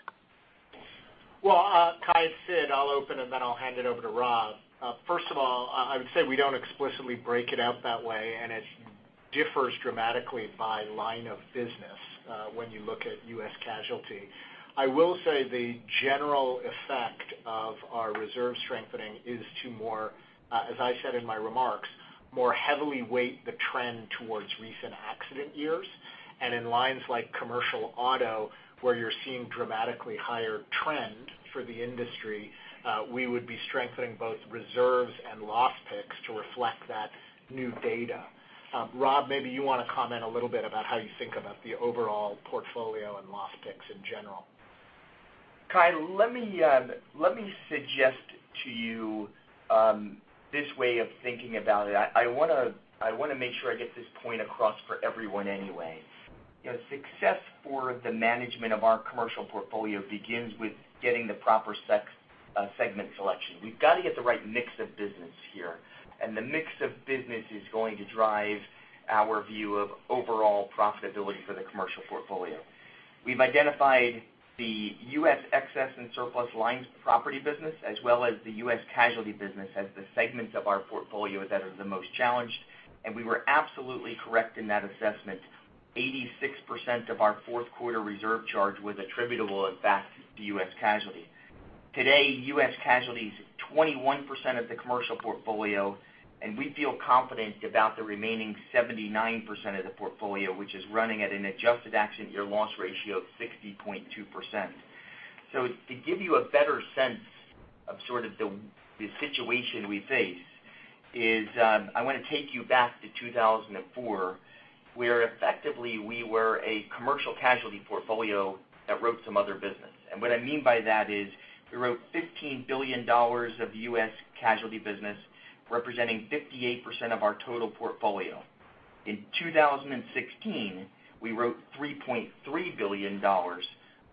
Well, Sid, I'll open and then I'll hand it over to Rob. First of all, I would say we don't explicitly break it out that way, and it differs dramatically by line of business when you look at U.S. casualty. I will say the general effect of our reserve strengthening is to more, as I said in my remarks, more heavily weight the trend towards recent accident years. In lines like commercial auto, where you're seeing dramatically higher trend for the industry, we would be strengthening both reserves and loss picks to reflect that new data. Rob, maybe you want to comment a little bit about how you think about the overall portfolio and loss picks in general. Kai, let me suggest to you this way of thinking about it. I want to make sure I get this point across for everyone anyway. Success for the management of our commercial portfolio begins with getting the proper segment selection. We've got to get the right mix of business here, and the mix of business is going to drive our view of overall profitability for the commercial portfolio. We've identified the U.S. excess and surplus lines property business, as well as the U.S. casualty business, as the segments of our portfolio that are the most challenged, and we were absolutely correct in that assessment. 86% of our fourth quarter reserve charge was attributable, in fact, to U.S. casualty. Today, U.S. casualty is 21% of the commercial portfolio, and we feel confident about the remaining 79% of the portfolio, which is running at an adjusted accident year loss ratio of 60.2%. To give you a better sense of sort of the situation we face, I want to take you back to 2004, where effectively we were a commercial casualty portfolio that wrote some other business. What I mean by that is we wrote $15 billion of U.S. casualty business, representing 58% of our total portfolio. In 2016, we wrote $3.3 billion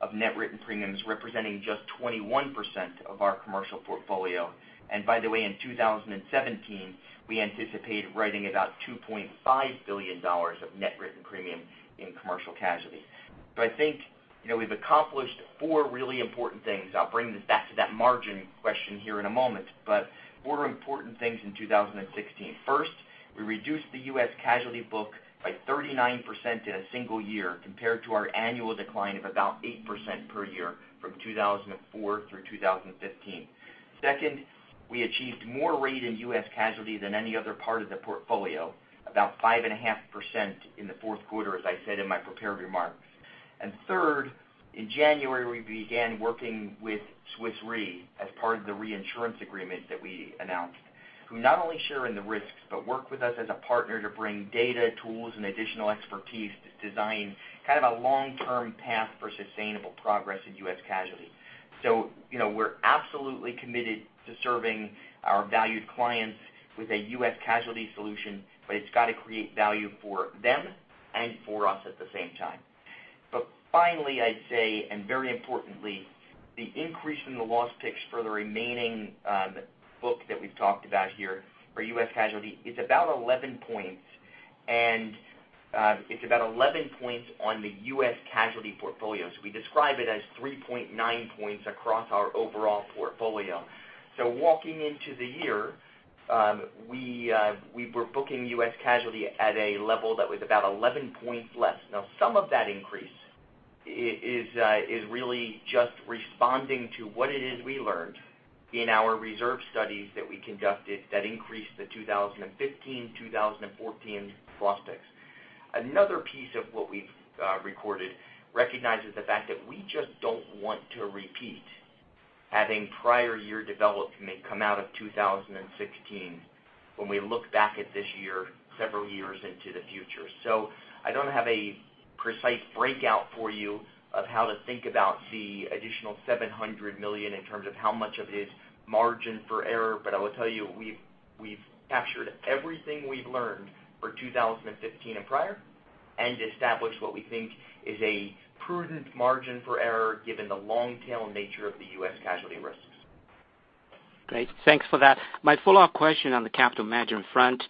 of net written premiums, representing just 21% of our commercial portfolio. By the way, in 2017, we anticipate writing about $2.5 billion of net written premium in commercial casualty. I think we've accomplished four really important things. I'll bring this back to that margin question here in a moment, four important things in 2016. First, we reduced the U.S. casualty book by 39% in a single year compared to our annual decline of about 8% per year from 2004 through 2015. Second, we achieved more rate in U.S. casualty than any other part of the portfolio, about 5.5% in the fourth quarter, as I said in my prepared remarks. Third, in January, we began working with Swiss Re as part of the reinsurance agreement that we announced, who not only share in the risks, but work with us as a partner to bring data tools and additional expertise to design kind of a long-term path for sustainable progress in U.S. casualty. We're absolutely committed to serving our valued clients with a U.S. casualty solution, it's got to create value for them and for us at the same time. Finally, I'd say, and very importantly, the increase in the loss picks for the remaining book that we've talked about here for U.S. casualty is about 11 points. It's about 11 points on the U.S. casualty portfolio. We describe it as 3.9 points across our overall portfolio. Walking into the year, we were booking U.S. casualty at a level that was about 11 points less. Now, some of that increase is really just responding to what it is we learned in our reserve studies that we conducted that increased the 2015, 2014 loss picks. Another piece of what we've recorded recognizes the fact that we just don't want to repeat having prior year development come out of 2016 when we look back at this year several years into the future. I don't have a precise breakout for you of how to think about the additional $700 million in terms of how much of it is margin for error. I will tell you, we've captured everything we've learned for 2015 and prior and established what we think is a prudent margin for error given the long tail nature of the U.S. casualty risks. Great. Thanks for that. My follow-up question on the capital management front.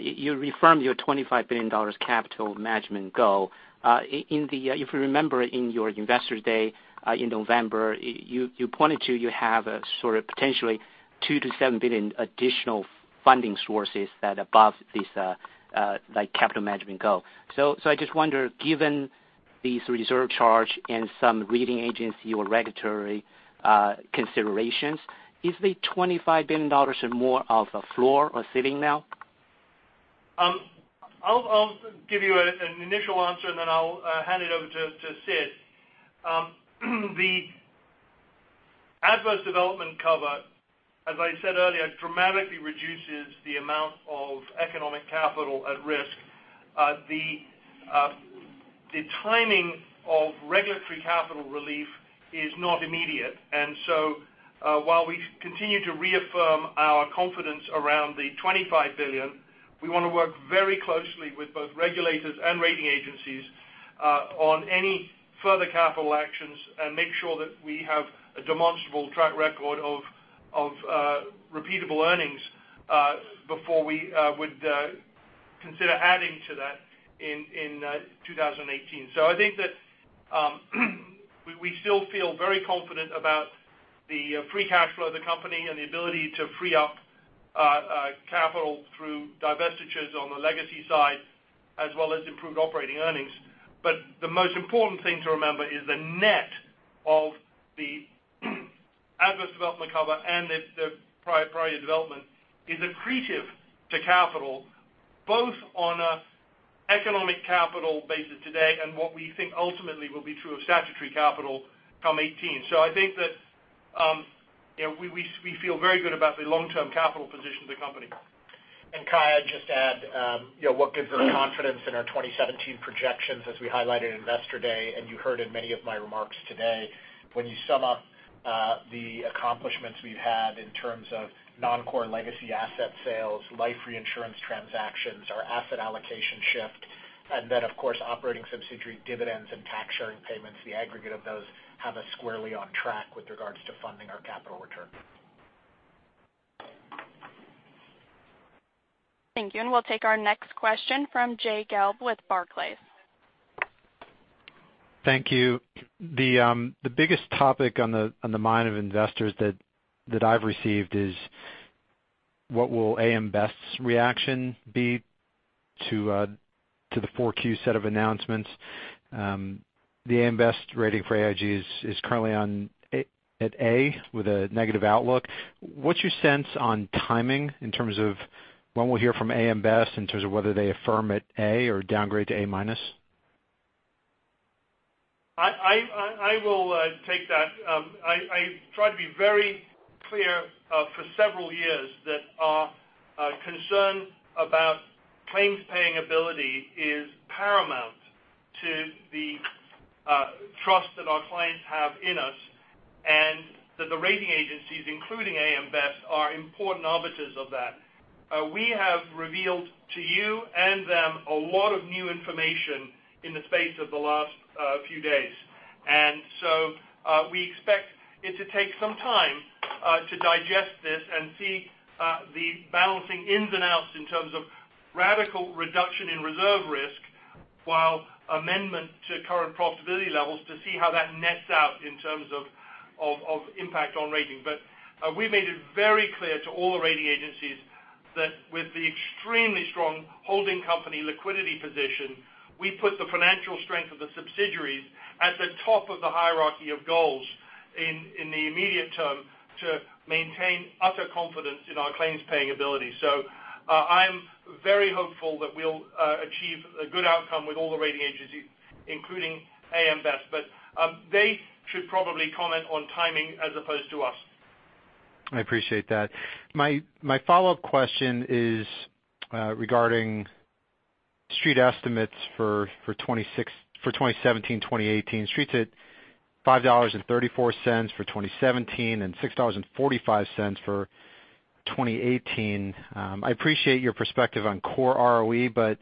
You reaffirmed your $25 billion capital management goal. If you remember in your Investor Day in November, you pointed to you have a sort of potentially $2 billion-$7 billion additional funding sources that above this capital management goal. I just wonder, given these reserve charge and some leading agency or regulatory considerations, is the $25 billion more of a floor or ceiling now? I'll give you an initial answer, then I'll hand it over to Sid. The adverse development cover, as I said earlier, dramatically reduces the amount of economic capital at risk. The timing of regulatory capital relief is not immediate. While we continue to reaffirm our confidence around the $25 billion, we want to work very closely with both regulators and rating agencies on any further capital actions and make sure that we have a demonstrable track record of repeatable earnings before we would Consider adding to that in 2018. I think that we still feel very confident about the free cash flow of the company and the ability to free up capital through divestitures on the legacy side, as well as improved operating earnings. The most important thing to remember is the net of the adverse development cover and the prior development is accretive to capital, both on an economic capital basis today and what we think ultimately will be true of statutory capital come 2018. I think that we feel very good about the long-term capital position of the company. Kai, I'd just add what gives us confidence in our 2017 projections as we highlighted at Investor Day, and you heard in many of my remarks today, when you sum up the accomplishments we've had in terms of non-core legacy asset sales, life reinsurance transactions, our asset allocation shift, then of course, operating subsidiary dividends and tax sharing payments, the aggregate of those have us squarely on track with regards to funding our capital return. Thank you. We'll take our next question from Jay Gelb with Barclays. Thank you. The biggest topic on the mind of investors that I've received is what will AM Best's reaction be to the 4Q set of announcements? The AM Best rating for AIG is currently at A with a negative outlook. What's your sense on timing in terms of when we'll hear from AM Best in terms of whether they affirm at A or downgrade to A minus? I will take that. I tried to be very clear for several years that our concern about claims-paying ability is paramount to the trust that our clients have in us, and that the rating agencies, including AM Best, are important arbiters of that. We have revealed to you and them a lot of new information in the space of the last few days. We expect it to take some time to digest this and see the balancing ins and outs in terms of radical reduction in reserve risk while amendment to current profitability levels to see how that nets out in terms of impact on rating. We made it very clear to all the rating agencies that with the extremely strong holding company liquidity position, we put the financial strength of the subsidiaries at the top of the hierarchy of goals in the immediate term to maintain utter confidence in our claims-paying ability. I'm very hopeful that we'll achieve a good outcome with all the rating agencies, including AM Best. They should probably comment on timing as opposed to us. I appreciate that. My follow-up question is regarding street estimates for 2017, 2018. Street's at $5.34 for 2017 and $6.45 for 2018. I appreciate your perspective on core ROE, but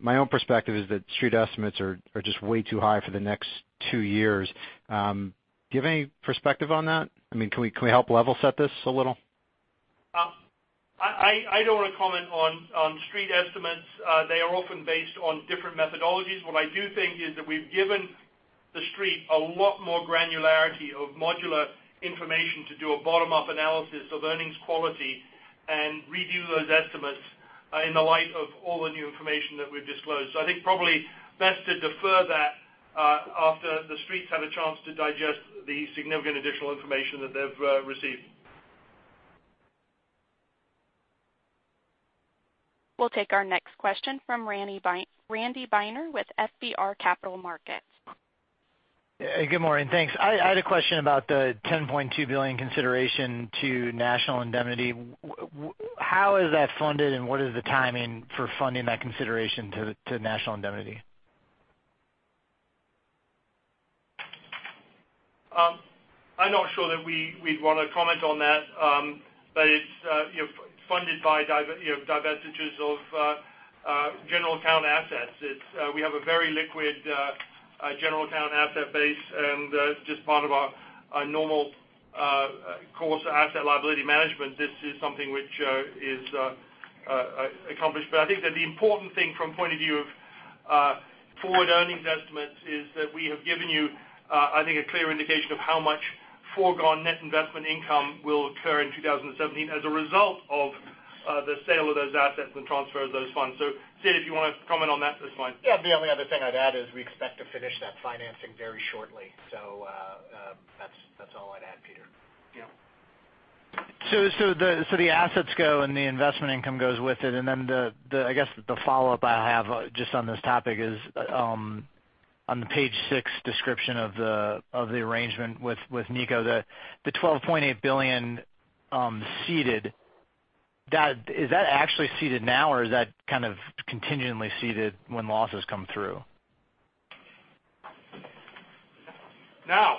my own perspective is that street estimates are just way too high for the next two years. Do you have any perspective on that? Can we help level set this a little? I don't want to comment on street estimates. They are often based on different methodologies. What I do think is that we've given the street a lot more granularity of modular information to do a bottom-up analysis of earnings quality and review those estimates in the light of all the new information that we've disclosed. I think probably best to defer that after the streets have a chance to digest the significant additional information that they've received. We'll take our next question from Randy Binner with FBR Capital Markets. Good morning. Thanks. I had a question about the $10.2 billion consideration to National Indemnity. How is that funded, and what is the timing for funding that consideration to National Indemnity? I'm not sure that we'd want to comment on that. It's funded by divestitures of general account assets. We have a very liquid general account asset base, and just part of our normal course asset liability management. This is something which is accomplished. I think that the important thing from point of view of forward earnings estimates is that we have given you I think a clear indication of how much foregone net investment income will occur in 2017 as a result of the sale of those assets and transfer of those funds. Sid, if you want to comment on that's fine. The only other thing I'd add is we expect to finish that financing very shortly. That's all I'd add, Peter. The assets go and the investment income goes with it. I guess the follow-up I have just on this topic is on the page six description of the arrangement with NICO, the $12.8 billion ceded, is that actually ceded now, or is that kind of contingently ceded when losses come through? Now.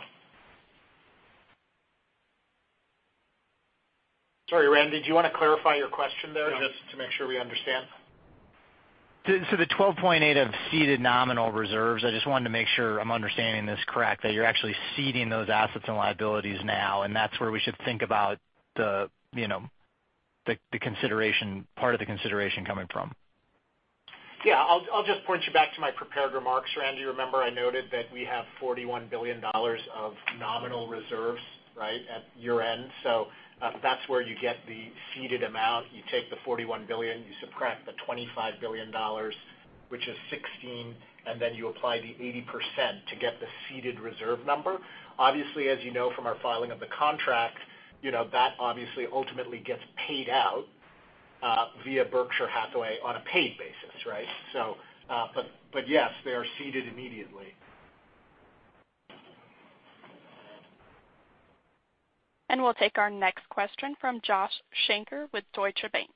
Sorry, Randy, do you want to clarify your question there just to make sure we understand? The 12.8 of ceded nominal reserves, I just wanted to make sure I'm understanding this correct, that you're actually ceding those assets and liabilities now, and that's where we should think about part of the consideration coming from. Yeah. I'll just point you back to my prepared remarks, Randy. Remember I noted that we have $41 billion of nominal reserves at year-end. That's where you get the ceded amount. You take the $41 billion, you subtract the $25 billion, which is 16, and then you apply the 80% to get the ceded reserve number. Obviously, as you know from our filing of the contract, that obviously ultimately gets paid out via Berkshire Hathaway on a paid basis. Yes, they are ceded immediately. We'll take our next question from Josh Shanker with Deutsche Bank.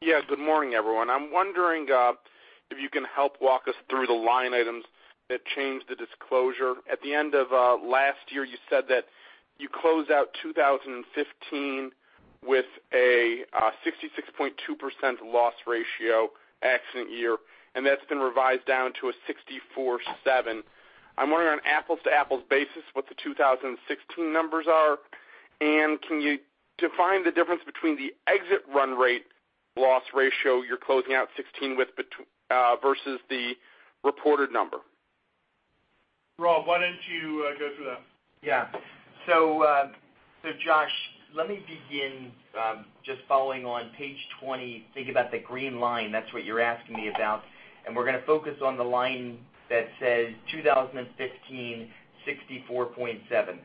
Yes. Good morning, everyone. I'm wondering if you can help walk us through the line items that changed the disclosure. At the end of last year, you said that you closed out 2015 with a 66.2% loss ratio accident year, and that's been revised down to a 64.7. I'm wondering on an apples-to-apples basis, what the 2016 numbers are, and can you define the difference between the exit run rate loss ratio you're closing out 2016 with versus the reported number? Rob, why don't you go through that? Yeah. Josh, let me begin just following on page 20, think about the green line. That's what you're asking me about. We're going to focus on the line that says 2015, 64.7.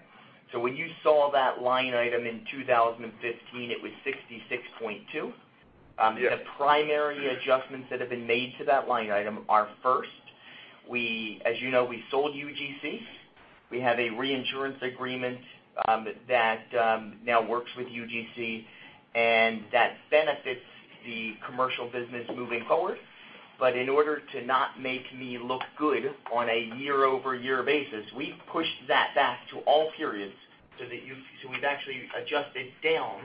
When you saw that line item in 2015, it was 66.2. Yes. The primary adjustments that have been made to that line item are first, as you know, we sold UGC. That benefits the commercial business moving forward. In order to not make me look good on a year-over-year basis, we've pushed that back to all periods. We've actually adjusted down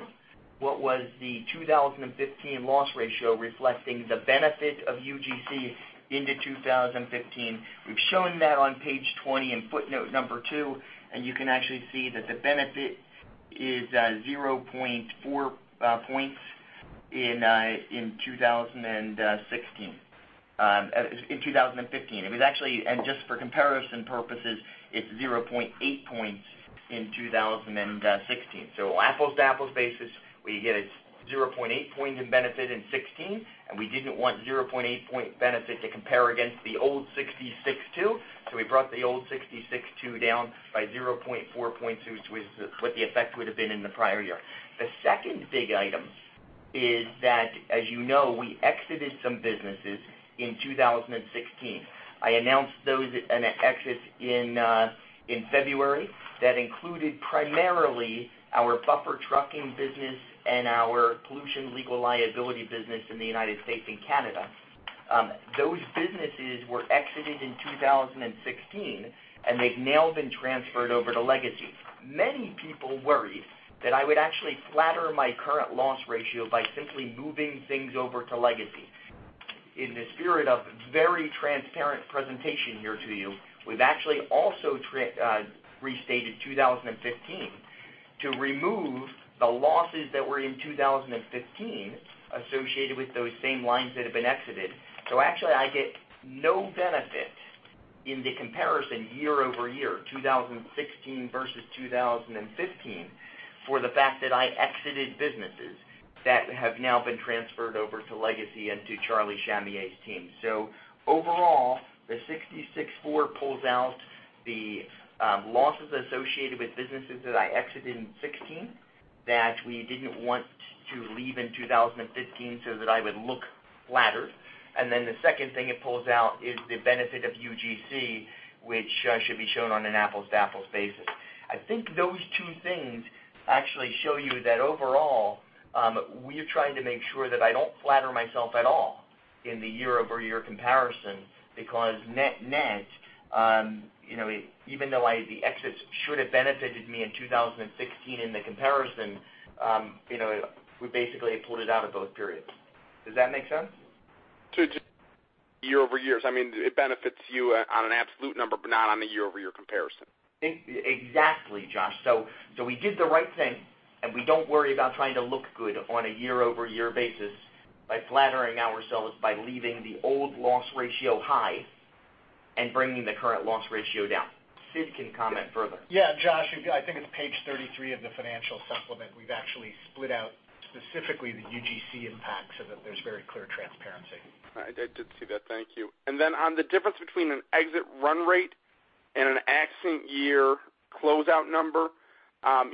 what was the 2015 loss ratio reflecting the benefit of UGC into 2015. We've shown that on page 20 in footnote number two, you can actually see that the benefit is 0.4 points in 2015. Just for comparison purposes, it's 0.8 points in 2016. Apples-to-apples basis, we get a 0.8 point in benefit in 2016. We didn't want 0.8 point benefit to compare against the old 66.2. We brought the old 66.2 down by 0.4 points, which was what the effect would've been in the prior year. The second big item is that, as you know, we exited some businesses in 2016. I announced those exits in February that included primarily our buffer trucking business and our pollution legal liability business in the United States and Canada. Those businesses were exited in 2016. They've now been transferred over to Legacy. Many people worried that I would actually flatter my current loss ratio by simply moving things over to Legacy. In the spirit of very transparent presentation here to you, we've actually also restated 2015 to remove the losses that were in 2015 associated with those same lines that have been exited. Actually, I get no benefit in the comparison year-over-year, 2016 versus 2015, for the fact that I exited businesses that have now been transferred over to Legacy and to Charlie Shamieh's team. Overall, the $66.4 pulls out the losses associated with businesses that I exited in 2016 that we didn't want to leave in 2015 so that I would look flattered. The second thing it pulls out is the benefit of UGC, which should be shown on an apples-to-apples basis. I think those two things actually show you that overall, we're trying to make sure that I don't flatter myself at all in the year-over-year comparison because net net, even though the exits should've benefited me in 2016 in the comparison, we basically pulled it out of both periods. Does that make sense? It's year-over-year. It benefits you on an absolute number, but not on a year-over-year comparison. Exactly, Josh. We did the right thing, we don't worry about trying to look good on a year-over-year basis by flattering ourselves by leaving the old loss ratio high and bringing the current loss ratio down. Sid can comment further. Josh, I think it's page 33 of the financial supplement. We've actually split out specifically the UGC impact so that there's very clear transparency. I did see that. Thank you. On the difference between an exit run rate and an accident year closeout number, are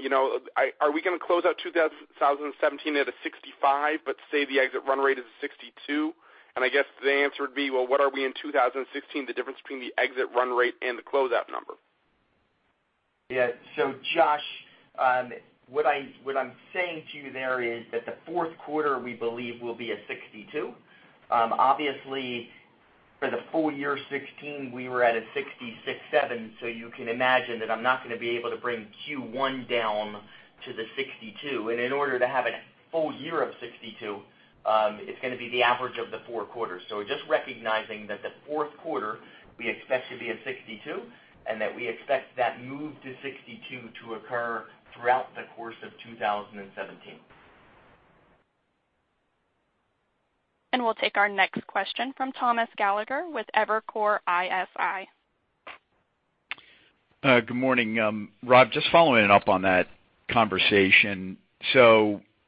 we going to close out 2017 at a 65, but say the exit run rate is a 62? I guess the answer would be, well, what are we in 2016, the difference between the exit run rate and the closeout number? Josh, what I'm saying to you there is that the fourth quarter, we believe, will be a 62. For the full year 2016, we were at a 66.7, so you can imagine that I'm not going to be able to bring Q1 down to the 62. In order to have a full year of 62, it's going to be the average of the four quarters. Just recognizing that the fourth quarter, we expect to be a 62, and that we expect that move to 62 to occur throughout the course of 2017. We'll take our next question from Thomas Gallagher with Evercore ISI. Good morning. Rob, just following up on that conversation.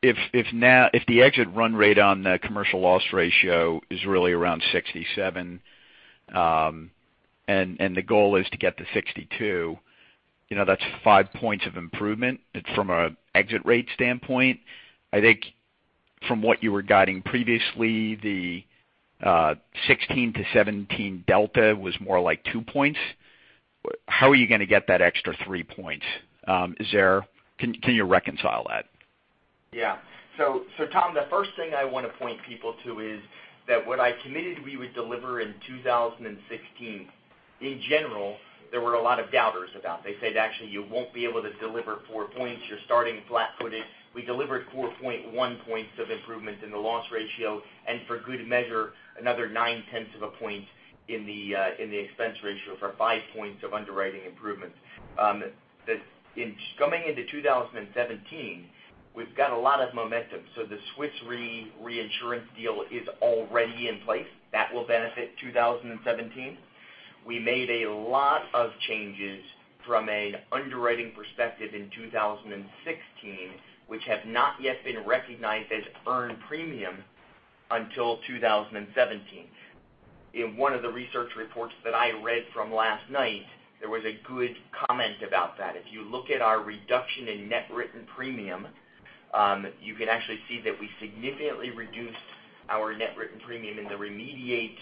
If the exit run rate on the commercial loss ratio is really around 67, and the goal is to get to 62, that's five points of improvement from an exit rate standpoint. I think from what you were guiding previously, the 2016 to 2017 delta was more like two points. How are you going to get that extra three points? Can you reconcile that? Yeah. Tom, the first thing I want to point people to is that what I committed we would deliver in 2016, in general, there were a lot of doubters about. They said, "Actually, you won't be able to deliver four points. You're starting flat-footed." We delivered 4.1 points of improvement in the loss ratio, and for good measure, another nine-tenths of a point in the expense ratio for five points of underwriting improvements. Coming into 2017, we've got a lot of momentum. The Swiss Re reinsurance deal is already in place. That will benefit 2017. We made a lot of changes from an underwriting perspective in 2016, which have not yet been recognized as earned premium until 2017. In one of the research reports that I read from last night, there was a good comment about that. If you look at our reduction in net written premium, you can actually see that we significantly reduced our net written premium in the remediate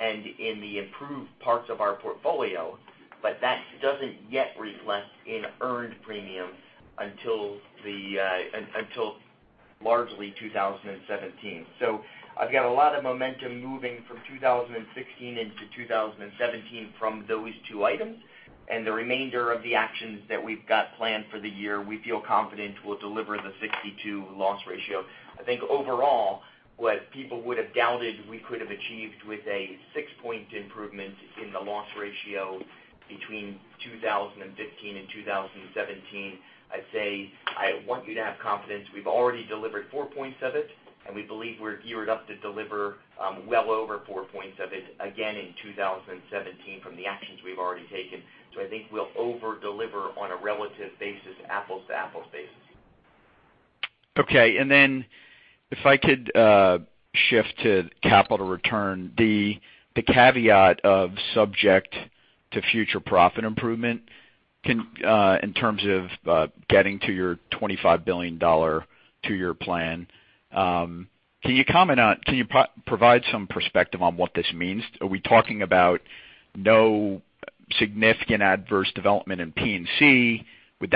and in the improved parts of our portfolio, that doesn't yet reflect in earned premium until largely 2017. I've got a lot of momentum moving from 2016 into 2017 from those two items, and the remainder of the actions that we've got planned for the year, we feel confident will deliver the 62 loss ratio. I think overall, what people would've doubted we could have achieved with a six-point improvement in the loss ratio between 2015 and 2017, I'd say I want you to have confidence. We've already delivered four points of it, and we believe we're geared up to deliver well over four points of it again in 2017 from the actions we've already taken. I think we'll over-deliver on a relative basis, apples to apples basis. Okay, if I could shift to capital return, the caveat of subject to future profit improvement in terms of getting to your $25 billion two-year plan. Can you provide some perspective on what this means? Are we talking about no significant adverse development in P&C? Would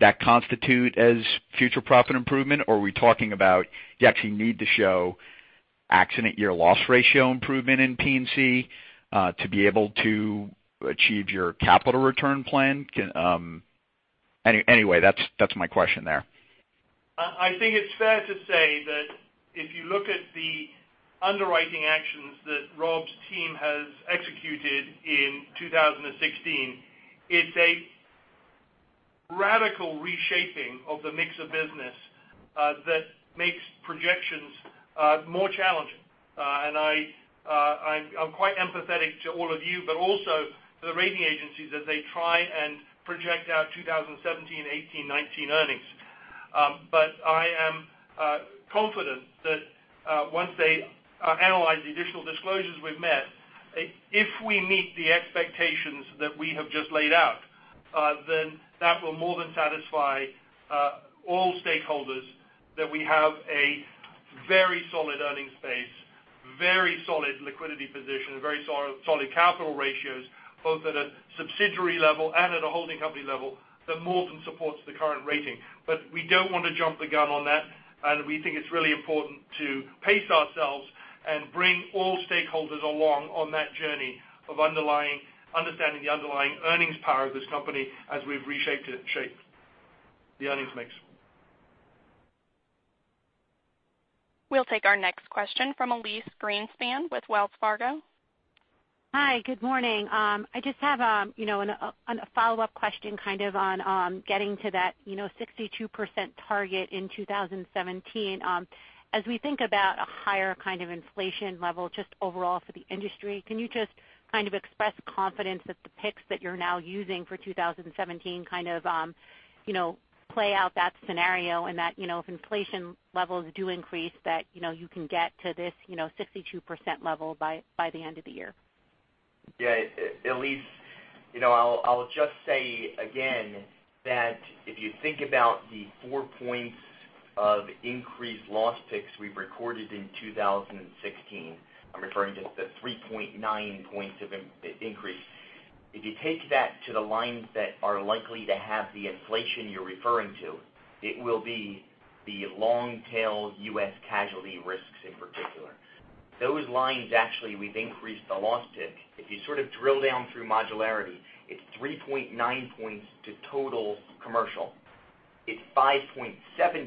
that constitute as future profit improvement, or are we talking about you actually need to show accident year loss ratio improvement in P&C, to be able to achieve your capital return plan? Anyway, that's my question there. I think it's fair to say that if you look at the underwriting actions that Rob's team has executed in 2016, it's a radical reshaping of the mix of business that makes projections more challenging. I'm quite empathetic to all of you, but also to the rating agencies as they try and project out 2017, 2018, 2019 earnings. I am confident that once they analyze the additional disclosures we've met, if we meet the expectations that we have just laid out, then that will more than satisfy all stakeholders that we have a very solid earnings base, very solid liquidity position, very solid capital ratios, both at a subsidiary level and at a holding company level, that more than supports the current rating. We don't want to jump the gun on that, and we think it's really important to pace ourselves and bring all stakeholders along on that journey of understanding the underlying earnings power of this company as we've reshaped it, shaped the earnings mix. We'll take our next question from Elyse Greenspan with Wells Fargo. Hi, good morning. I just have a follow-up question on getting to that 62% target in 2017. As we think about a higher inflation level just overall for the industry, can you just express confidence that the picks that you're now using for 2017 play out that scenario and that if inflation levels do increase, that you can get to this 62% level by the end of the year? Yeah. Elyse, I'll just say again that if you think about the four points of increased loss picks we've recorded in 2016, I'm referring to the 3.9 points of increase. If you take that to the lines that are likely to have the inflation you're referring to, it will be the long tail U.S. casualty risks in particular. Those lines, actually, we've increased the loss tick. If you sort of drill down through modularity, it's 3.9 points to total commercial. It's 5.7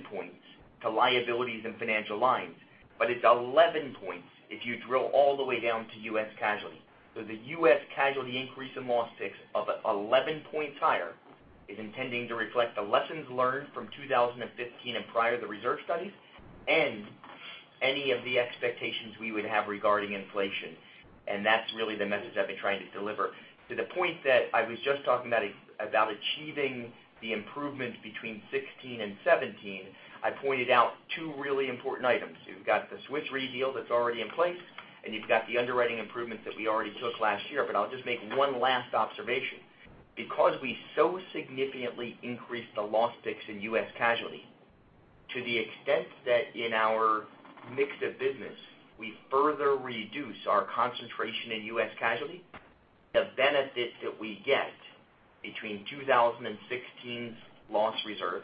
points to liabilities and financial lines, but it's 11 points if you drill all the way down to U.S. casualty. The U.S. casualty increase in loss ticks of 11 points higher is intending to reflect the lessons learned from 2015 and prior the reserve studies and any of the expectations we would have regarding inflation. That's really the message I've been trying to deliver. To the point that I was just talking about achieving the improvements between 2016 and 2017, I pointed out two really important items. You've got the Swiss Re deal that's already in place, and you've got the underwriting improvements that we already took last year. I'll just make one last observation. Because we so significantly increased the loss ticks in U.S. casualty, to the extent that in our mix of business, we further reduce our concentration in U.S. casualty, the benefits that we get between 2016's loss reserve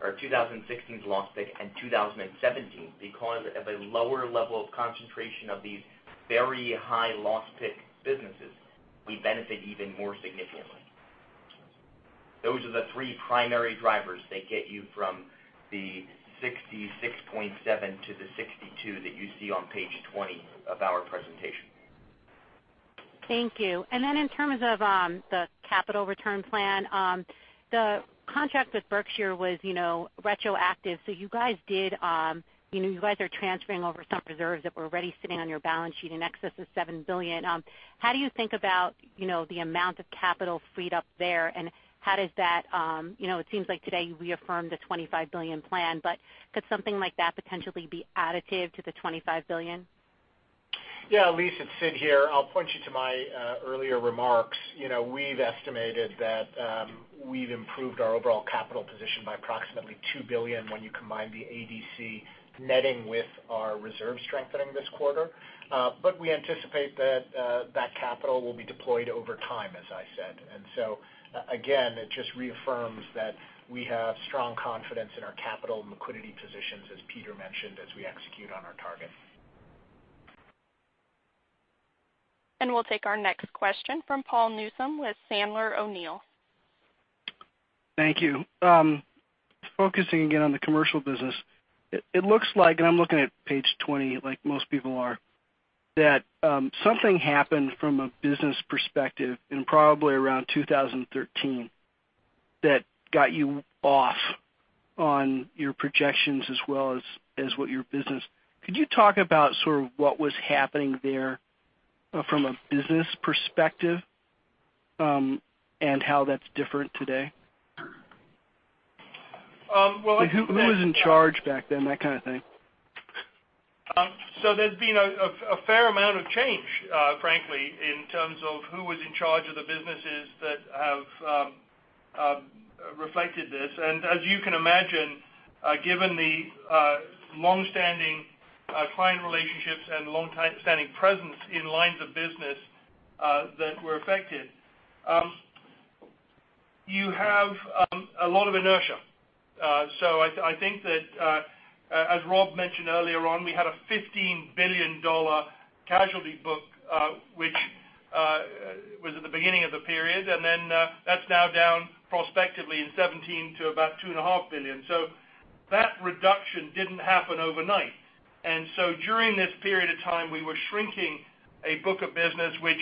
or 2016's loss tick and 2017, because of a lower level of concentration of these very high loss tick businesses, we benefit even more significantly. Those are the three primary drivers that get you from the 66.7 to the 62 that you see on page 20 of our presentation. Thank you. In terms of the capital return plan, the contract with Berkshire was retroactive, you guys are transferring over some reserves that were already sitting on your balance sheet in excess of $7 billion. How do you think about the amount of capital freed up there and it seems like today you reaffirmed the $25 billion plan, could something like that potentially be additive to the $25 billion? Elyse, it's Sid here. I'll point you to my earlier remarks. We've estimated that we've improved our overall capital position by approximately $2 billion when you combine the ADC netting with our reserve strengthening this quarter. We anticipate that capital will be deployed over time, as I said. Again, it just reaffirms that we have strong confidence in our capital and liquidity positions, as Peter mentioned, as we execute on our target. We'll take our next question from Paul Newsome with Sandler O'Neill. Thank you. Focusing again on the commercial business. It looks like, I'm looking at page 20, like most people are, that something happened from a business perspective in probably around 2013 that got you off on your projections as well as what your business. Could you talk about sort of what was happening there from a business perspective, and how that's different today? Well, I think. Who was in charge back then? That kind of thing. There's been a fair amount of change, frankly, in terms of who was in charge of the businesses that have reflected this. As you can imagine, given the longstanding client relationships and longstanding presence in lines of business that were affected, you have a lot of inertia. I think that, as Rob Schimek mentioned earlier on, we had a $15 billion casualty book, which was at the beginning of the period, that's now down prospectively in 2017 to about $2.5 billion. That reduction didn't happen overnight. During this period of time, we were shrinking a book of business, which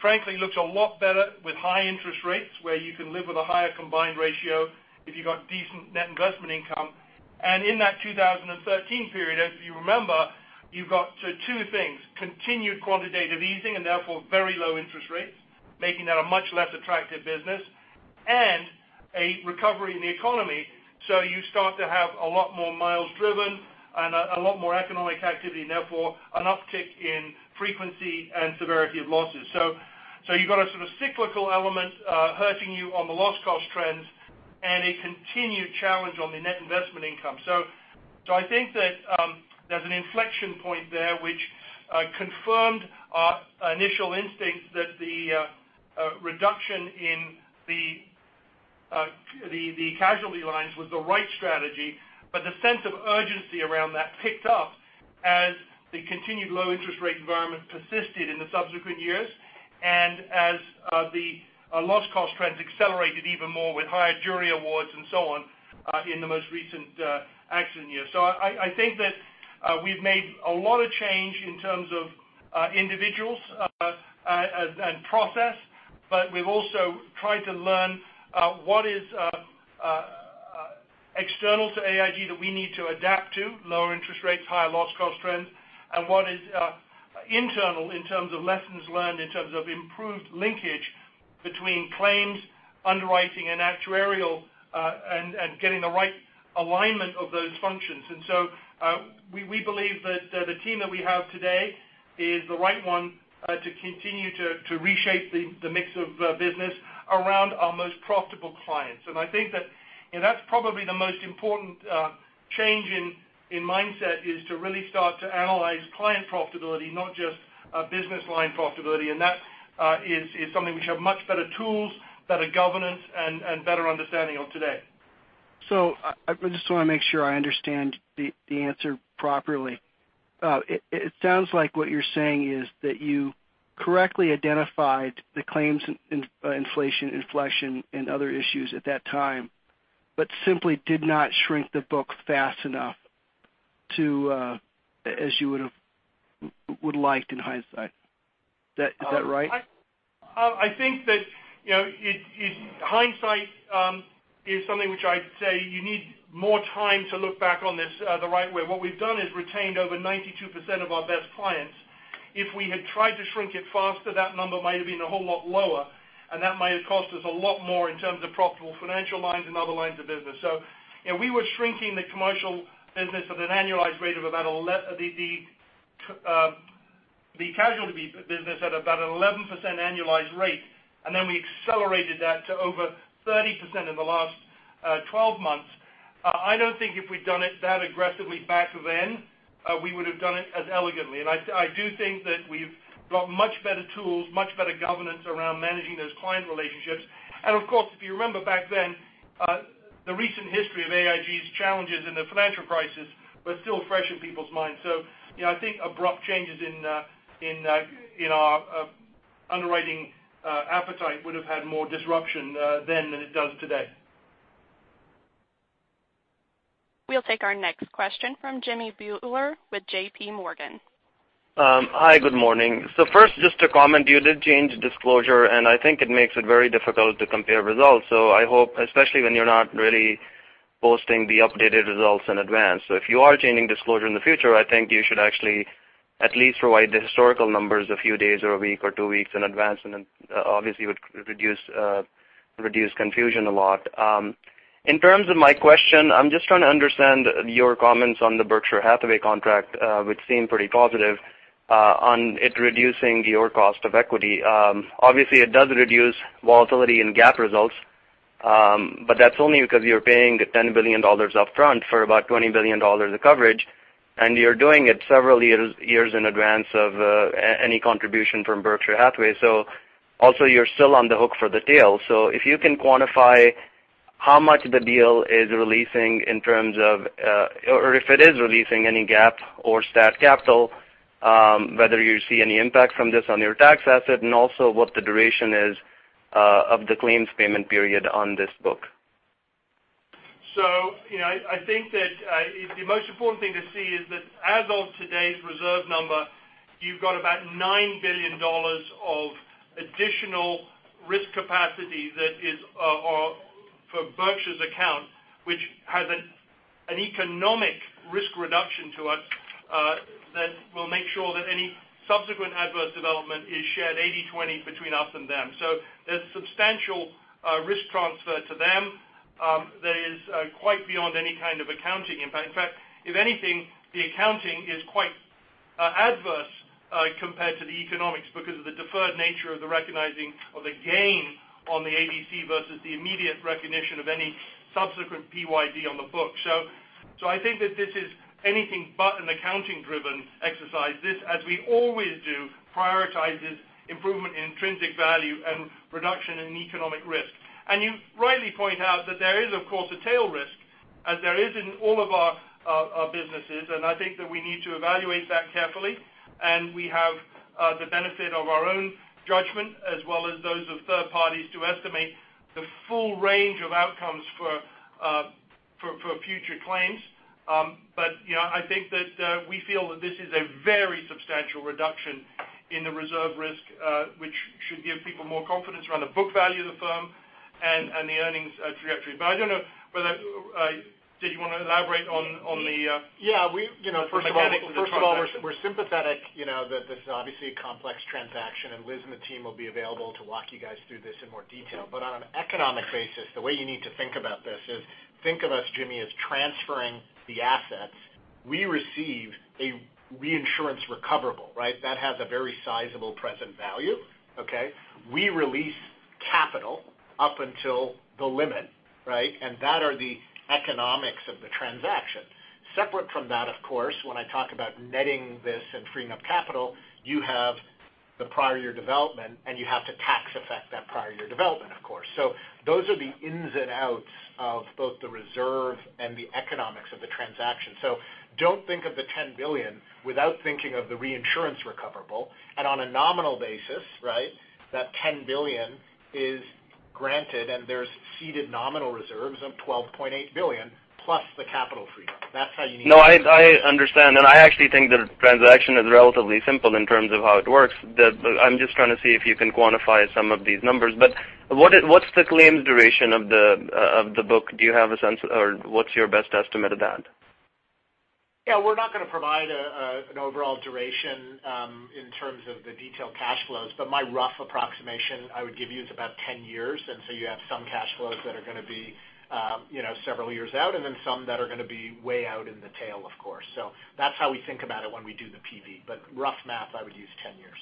frankly looks a lot better with high interest rates, where you can live with a higher combined ratio if you've got decent net investment income. In that 2013 period, as you remember, you've got two things, continued quantitative easing and therefore very low interest rates, making that a much less attractive business, and a recovery in the economy. You start to have a lot more miles driven and a lot more economic activity, therefore an uptick in frequency and severity of losses. You've got a sort of cyclical element hurting you on the loss cost trends and a continued challenge on the net investment income. I think that there's an inflection point there which confirmed our initial instincts that the reduction in the casualty lines was the right strategy. The sense of urgency around that picked up as the continued low interest rate environment persisted in the subsequent years and as the loss cost trends accelerated even more with higher jury awards and so on in the most recent accident year. I think that we've made a lot of change in terms of individuals and process, but we've also tried to learn what is external to AIG that we need to adapt to, lower interest rates, higher loss cost trends, and what is internal in terms of lessons learned, in terms of improved linkage between claims, underwriting, and actuarial, and getting the right alignment of those functions. We believe that the team that we have today is the right one to continue to reshape the mix of business around our most profitable clients. I think that's probably the most important change in mindset, is to really start to analyze client profitability, not just business line profitability. That is something we have much better tools, better governance, and better understanding of today. I just want to make sure I understand the answer properly. It sounds like what you're saying is that you correctly identified the claims inflation inflection and other issues at that time, but simply did not shrink the book fast enough as you would have liked in hindsight. Is that right? I think that hindsight is something which I'd say you need more time to look back on this the right way. What we've done is retained over 92% of our best clients. If we had tried to shrink it faster, that number might have been a whole lot lower, and that might have cost us a lot more in terms of profitable financial lines and other lines of business. We were shrinking the commercial business at an annualized rate of about the casualty business at about an 11% annualized rate, then we accelerated that to over 30% in the last 12 months. I don't think if we'd done it that aggressively back then, we would have done it as elegantly. I do think that we've got much better tools, much better governance around managing those client relationships. Of course, if you remember back then, the recent history of AIG's challenges in the financial crisis were still fresh in people's minds. I think abrupt changes in our underwriting appetite would have had more disruption then than it does today. We'll take our next question from Jimmy Bhullar with J.P. Morgan. Hi, good morning. First, just to comment, you did change disclosure, I think it makes it very difficult to compare results. I hope, especially when you're not really posting the updated results in advance. If you are changing disclosure in the future, I think you should actually at least provide the historical numbers a few days or a week or two weeks in advance, obviously would reduce confusion a lot. In terms of my question, I'm just trying to understand your comments on the Berkshire Hathaway contract, which seem pretty positive on it reducing your cost of equity. Obviously, it does reduce volatility in GAAP results, but that's only because you're paying $10 billion upfront for about $20 billion of coverage, and you're doing it several years in advance of any contribution from Berkshire Hathaway. Also you're still on the hook for the tail. If you can quantify how much the deal is releasing in terms of, or if it is releasing any GAAP or stat capital, whether you see any impact from this on your tax asset, and also what the duration is of the claims payment period on this book. I think that the most important thing to see is that as of today's reserve number, you've got about $9 billion of additional risk capacity that is for Berkshire's account, which has an economic risk reduction to us that will make sure that any subsequent adverse development is shared 80/20 between us and them. There's substantial risk transfer to them that is quite beyond any kind of accounting impact. In fact, if anything, the accounting is quite adverse compared to the economics because of the deferred nature of the recognizing of the gain on the ADC versus the immediate recognition of any subsequent PYD on the book. I think that this is anything but an accounting driven exercise. This, as we always do, prioritizes improvement in intrinsic value and reduction in economic risk. You rightly point out that there is, of course, a tail risk, as there is in all of our businesses, and I think that we need to evaluate that carefully. We have the benefit of our own judgment, as well as those of third parties to estimate the full range of outcomes for future claims. I think that we feel that this is a very substantial reduction in the reserve risk, which should give people more confidence around the book value of the firm and the earnings trajectory. I don't know whether, did you want to elaborate on the- Yeah. The mechanics of the transaction. First of all, we're sympathetic that this is obviously a complex transaction, and Liz and the team will be available to walk you guys through this in more detail. On an economic basis, the way you need to think about this is think of us, Jimmy, as transferring the assets. We receive a reinsurance recoverable, right? That has a very sizable present value, okay? We release capital up until the limit, right? That are the economics of the transaction. Separate from that, of course, when I talk about netting this and freeing up capital, you have the prior year development and you have to tax affect that prior year development, of course. Those are the ins and outs of both the reserve and the economics of the transaction. Don't think of the $10 billion without thinking of the reinsurance recoverable. On a nominal basis, right, that $10 billion is granted and there's ceded nominal reserves of $12.8 billion plus the capital freedom. That's how you need to think. No, I understand. I actually think the transaction is relatively simple in terms of how it works. I'm just trying to see if you can quantify some of these numbers. What's the claims duration of the book? Do you have a sense, or what's your best estimate of that? Yeah, we're not going to provide an overall duration in terms of the detailed cash flows, but my rough approximation I would give you is about 10 years. You have some cash flows that are going to be several years out and then some that are going to be way out in the tail, of course. That's how we think about it when we do the PV. Rough math, I would use 10 years.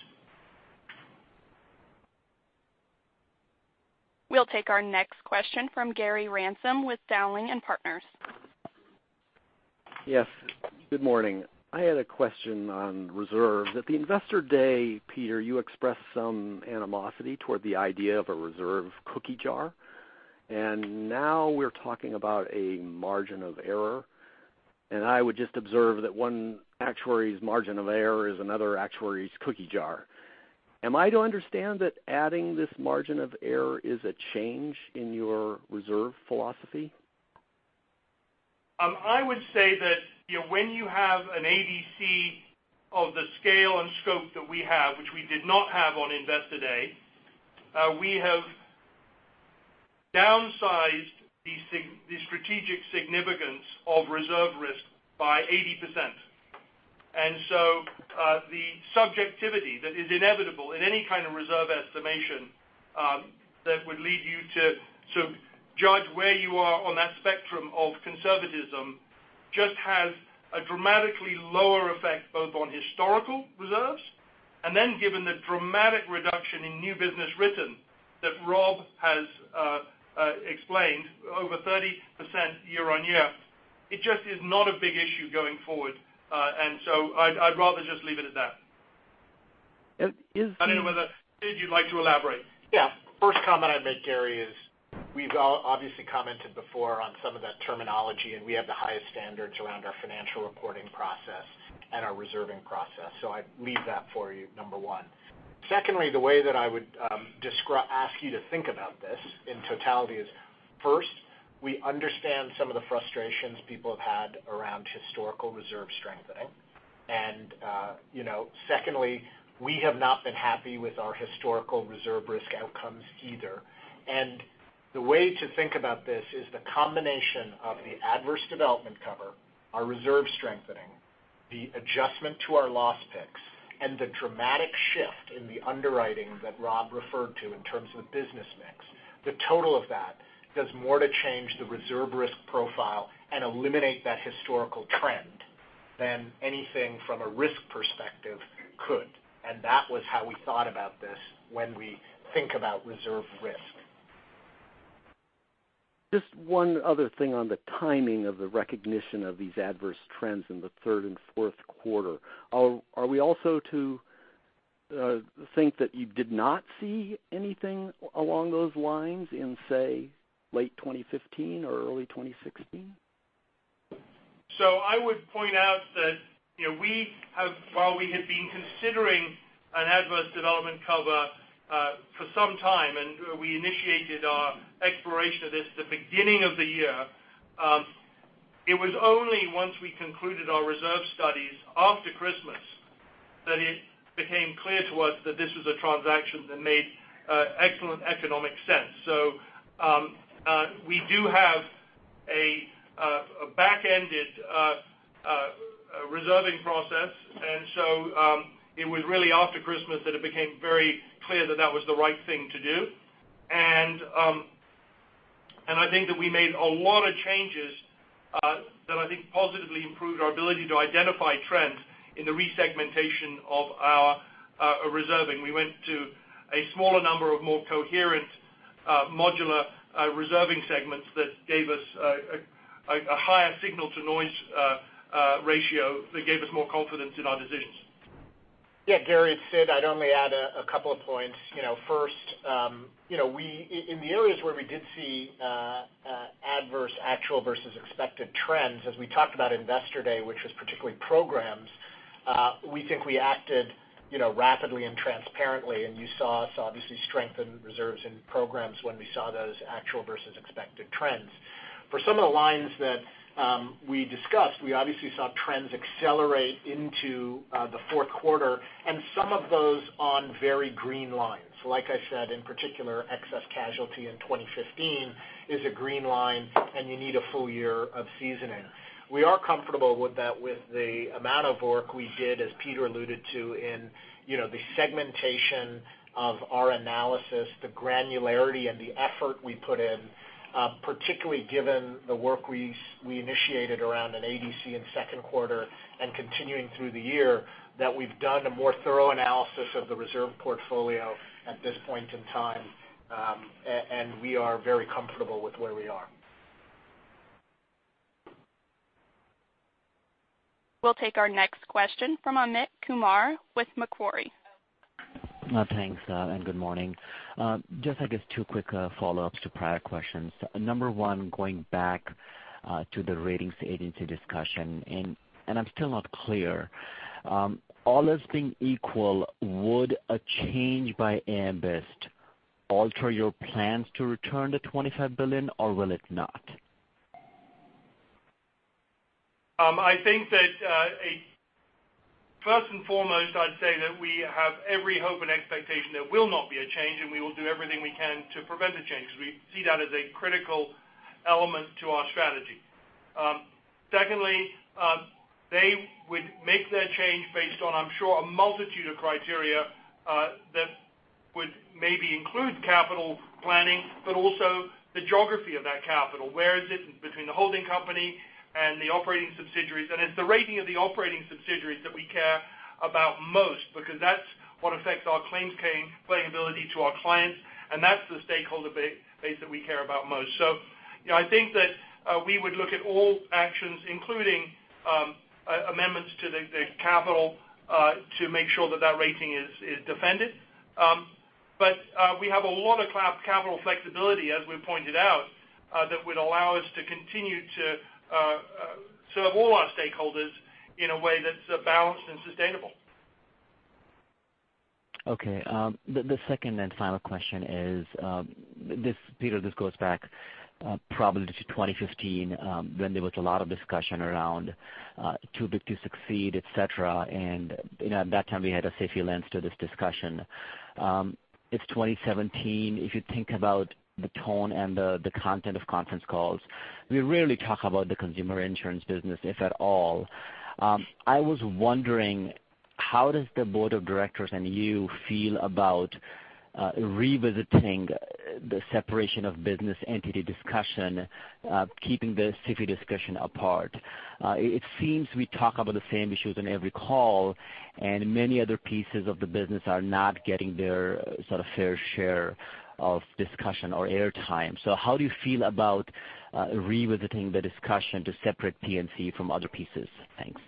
We'll take our next question from Gary Ransom with Dowling & Partners. Yes. Good morning. I had a question on reserve. At the Investor Day, Peter, you expressed some animosity toward the idea of a reserve cookie jar, and now we're talking about a margin of error. I would just observe that one actuary's margin of error is another actuary's cookie jar. Am I to understand that adding this margin of error is a change in your reserve philosophy? I would say that when you have an ADC of the scale and scope that we have, which we did not have on Investor Day, we have downsized the strategic significance of reserve risk by 80%. The subjectivity that is inevitable in any kind of reserve estimation, that would lead you to judge where you are on that spectrum of conservatism just has a dramatically lower effect both on historical reserves. Given the dramatic reduction in new business written that Rob has explained over 30% year-on-year, it just is not a big issue going forward. I'd rather just leave it at that. Is- I don't know whether, Sid, you'd like to elaborate. First comment I'd make, Gary, is we've obviously commented before on some of that terminology, we have the highest standards around our financial reporting process and our reserving process. I leave that for you, number one. Secondly, the way that I would ask you to think about this in totality is, first, we understand some of the frustrations people have had around historical reserve strengthening. Secondly, we have not been happy with our historical reserve risk outcomes either. The way to think about this is the combination of the adverse development cover, our reserve strengthening, the adjustment to our loss picks, and the dramatic shift in the underwriting that Rob referred to in terms of business mix. The total of that does more to change the reserve risk profile and eliminate that historical trend than anything from a risk perspective could. That was how we thought about this when we think about reserve risk. Just one other thing on the timing of the recognition of these adverse trends in the third and fourth quarter. Are we also to think that you did not see anything along those lines in, say, late 2015 or early 2016? I would point out that while we had been considering an adverse development cover for some time, and we initiated our exploration of this the beginning of the year, it was only once we concluded our reserve studies after Christmas that it became clear to us that this was a transaction that made excellent economic sense. We do have a back-ended reserving process. It was really after Christmas that it became very clear that that was the right thing to do. I think that we made a lot of changes, that I think positively improved our ability to identify trends in the resegmentation of our reserving. We went to a smaller number of more coherent modular reserving segments that gave us a higher signal-to-noise ratio that gave us more confidence in our decisions. Yeah, Gary, it's Sid. I'd only add a couple of points. First, in the areas where we did see adverse actual versus expected trends, as we talked about Investor Day, which was particularly programs, we think we acted rapidly and transparently. You saw us obviously strengthen reserves in programs when we saw those actual versus expected trends. For some of the lines that we discussed, we obviously saw trends accelerate into the fourth quarter and some of those on very green lines. Like I said, in particular, excess casualty in 2015 is a green line, and you need a full year of seasoning. We are comfortable with the amount of work we did, as Peter alluded to, in the segmentation of our analysis, the granularity and the effort we put in, particularly given the work we initiated around an ADC in second quarter and continuing through the year, that we've done a more thorough analysis of the reserve portfolio at this point in time. We are very comfortable with where we are. We'll take our next question from Amit Kumar with Macquarie. Thanks. Good morning. Just, I guess two quick follow-ups to prior questions. Number one, going back to the ratings agency discussion. I'm still not clear. All else being equal, would a change by AM Best alter your plans to return the $25 billion or will it not? First and foremost, I'd say that we have every hope and expectation there will not be a change, and we will do everything we can to prevent a change because we see that as a critical element to our strategy. Secondly, they would make their change based on, I'm sure, a multitude of criteria that would maybe include capital planning, but also the geography of that capital. Where is it between the holding company and the operating subsidiaries? It's the rating of the operating subsidiaries that we care about most, because that's what affects our claims paying ability to our clients, and that's the stakeholder base that we care about most. I think that we would look at all actions, including amendments to the capital, to make sure that that rating is defended. We have a lot of capital flexibility, as we pointed out, that would allow us to continue to serve all our stakeholders in a way that's balanced and sustainable. Okay. The second and final question is, Peter, this goes back probably to 2015, when there was a lot of discussion around too big to succeed, et cetera. At that time, we had a SIFI lens to this discussion. It's 2017. If you think about the tone and the content of conference calls, we rarely talk about the consumer insurance business, if at all. I was wondering, how does the board of directors and you feel about revisiting the separation of business entity discussion, keeping the SIFI discussion apart? It seems we talk about the same issues on every call, many other pieces of the business are not getting their fair share of discussion or air time. How do you feel about revisiting the discussion to separate P&C from other pieces? Thanks.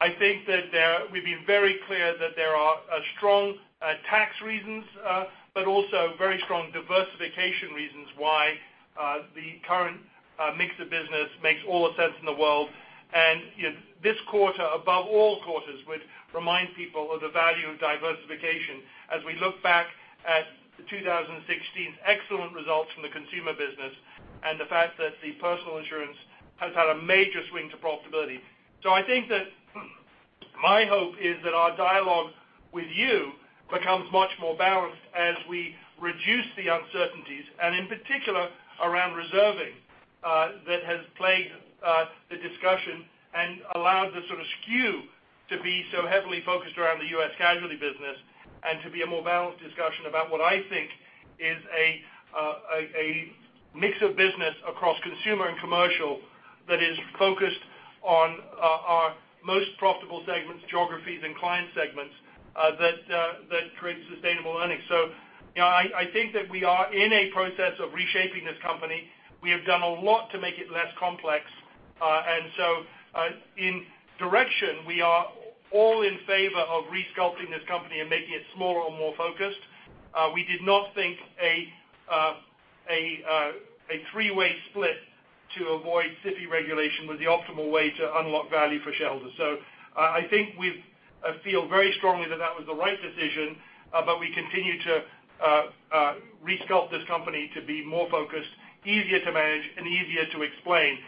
I think that we've been very clear that there are strong tax reasons, but also very strong diversification reasons why the current mix of business makes all the sense in the world. This quarter, above all quarters, would remind people of the value of diversification as we look back at the 2016's excellent results from the consumer business and the fact that the personal insurance has had a major swing to profitability. I think that my hope is that our dialogue with you becomes much more balanced as we reduce the uncertainties, and in particular, around reserving, that has plagued the discussion and allowed the sort of skew to be so heavily focused around the U.S. casualty business and to be a more balanced discussion about what I think is a mix of business across consumer and commercial that is focused on our most profitable segments, geographies, and client segments that create sustainable earnings. I think that we are in a process of reshaping this company. We have done a lot to make it less complex. In direction, we are all in favor of resculpting this company and making it smaller and more focused. We did not think a three-way split to avoid SIFI regulation was the optimal way to unlock value for shareholders. I think we feel very strongly that that was the right decision, but we continue to resculpt this company to be more focused, easier to manage, and easier to explain.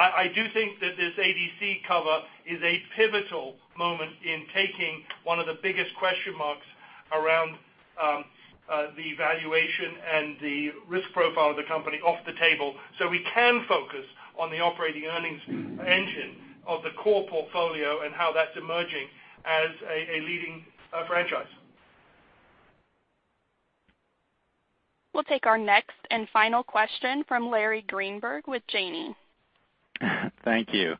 I do think that this ADC cover is a pivotal moment in taking one of the biggest question marks around the valuation and the risk profile of the company off the table, so we can focus on the operating earnings engine of the core portfolio and how that's emerging as a leading franchise. We'll take our next and final question from Larry Greenberg with Janney. Thank you.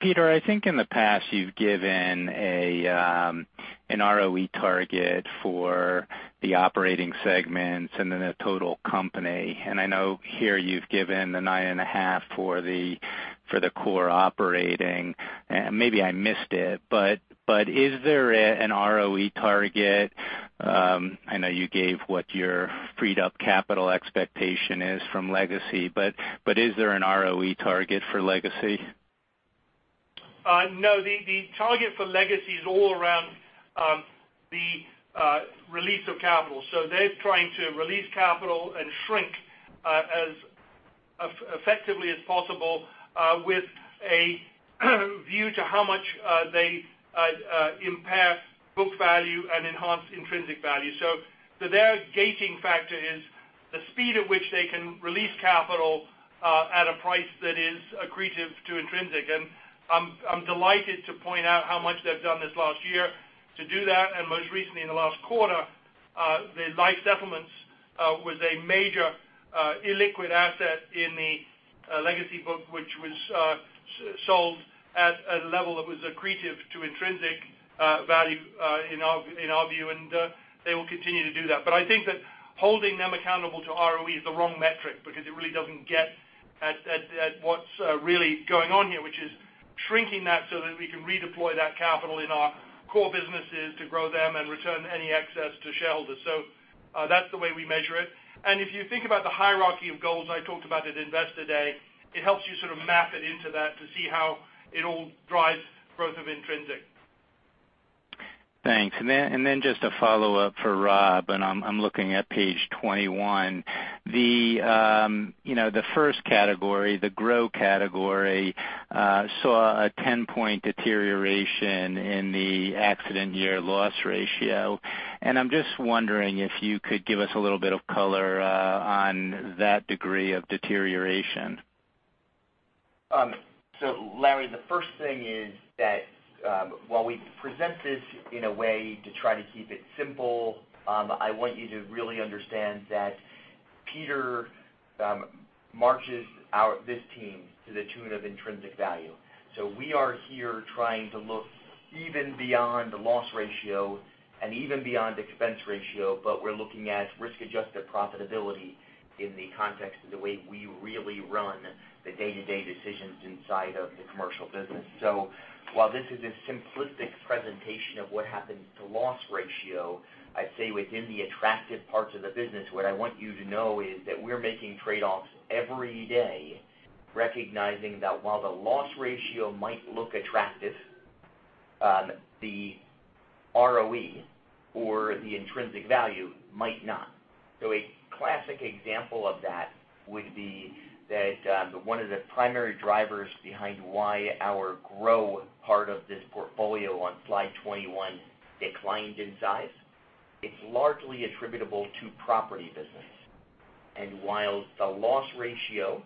Peter, I think in the past, you've given an ROE target for the operating segments and then the total company. I know here you've given the 9.5 for the core operating. Maybe I missed it, is there an ROE target? I know you gave what your freed up capital expectation is from legacy, is there an ROE target for legacy? No, the target for legacy is all around the release of capital. They're trying to release capital and shrink as effectively as possible with a view to how much they impair book value and enhance intrinsic value. I'm delighted to point out how much they've done this last year to do that. Most recently in the last quarter, the life settlements was a major illiquid asset in the legacy book, which was sold at a level that was accretive to intrinsic value in our view, and they will continue to do that. I think that holding them accountable to ROE is the wrong metric because it really doesn't get at what's really going on here, which is shrinking that so that we can redeploy that capital in our core businesses to grow them and return any excess to shareholders. That's the way we measure it. If you think about the hierarchy of goals, I talked about at Investor Day, it helps you sort of map it into that to see how it all drives growth of intrinsic. Thanks. Just a follow-up for Rob, I'm looking at page 21. The first category, the grow category saw a 10-point deterioration in the accident year loss ratio. I'm just wondering if you could give us a little bit of color on that degree of deterioration. Larry, the first thing is that while we present this in a way to try to keep it simple, I want you to really understand that Peter marches this team to the tune of intrinsic value. We are here trying to look even beyond the loss ratio and even beyond expense ratio, but we're looking at risk-adjusted profitability in the context of the way we really run the day-to-day decisions inside of the commercial business. While this is a simplistic presentation of what happened to loss ratio, I'd say within the attractive parts of the business, what I want you to know is that we're making trade-offs every day, recognizing that while the loss ratio might look attractive, the ROE or the intrinsic value might not. A classic example of that would be that one of the primary drivers behind why our grow part of this portfolio on slide 21 declined in size, it's largely attributable to property business. While the loss ratio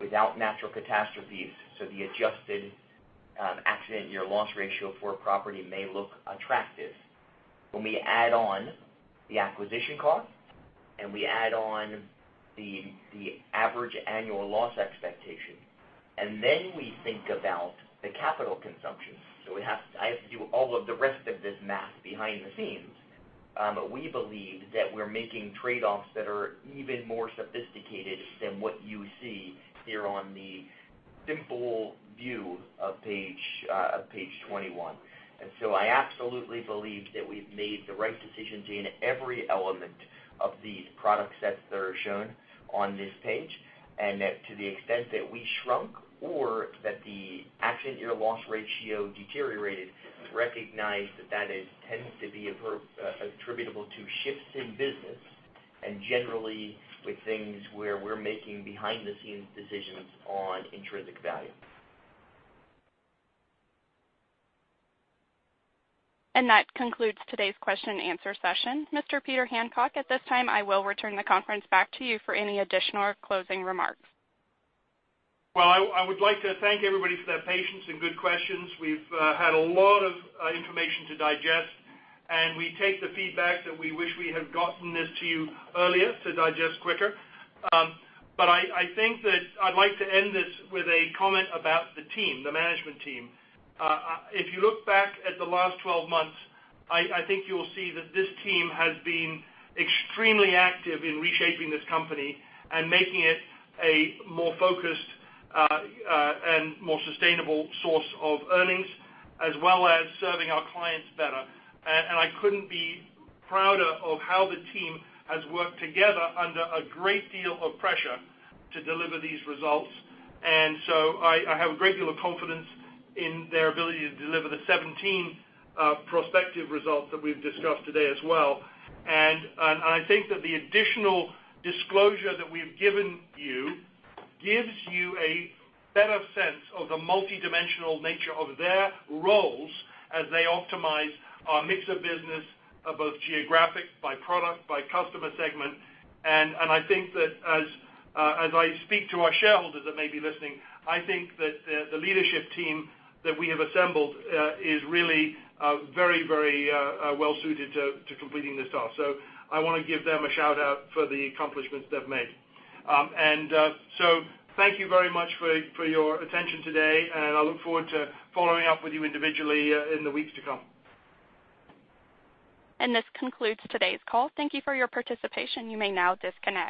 without natural catastrophes, the adjusted accident year loss ratio for a property may look attractive, when we add on the acquisition cost and we add on the average annual loss expectation, and then we think about the capital consumption. I have to do all of the rest of this math behind the scenes. We believe that we're making trade-offs that are even more sophisticated than what you see here on the simple view of page 21. I absolutely believe that we've made the right decisions in every element of these product sets that are shown on this page, and that to the extent that we shrunk or that the accident year loss ratio deteriorated, recognize that tends to be attributable to shifts in business and generally with things where we're making behind-the-scenes decisions on intrinsic value. That concludes today's question and answer session. Mr. Peter Hancock, at this time, I will return the conference back to you for any additional or closing remarks. Well, I would like to thank everybody for their patience and good questions. We've had a lot of information to digest, we take the feedback that we wish we had gotten this to you earlier to digest quicker. I think that I'd like to end this with a comment about the team, the management team. If you look back at the last 12 months, I think you'll see that this team has been extremely active in reshaping this company and making it a more focused and more sustainable source of earnings, as well as serving our clients better. I couldn't be prouder of how the team has worked together under a great deal of pressure to deliver these results. I have a great deal of confidence in their ability to deliver the 2017 prospective results that we've discussed today as well. I think that the additional disclosure that we've given you gives you a better sense of the multidimensional nature of their roles as they optimize our mix of business, both geographic, by product, by customer segment. I think that as I speak to our shareholders that may be listening, I think that the leadership team that we have assembled is really very well-suited to completing this task. I want to give them a shout-out for the accomplishments they've made. Thank you very much for your attention today, and I look forward to following up with you individually in the weeks to come. This concludes today's call. Thank you for your participation. You may now disconnect.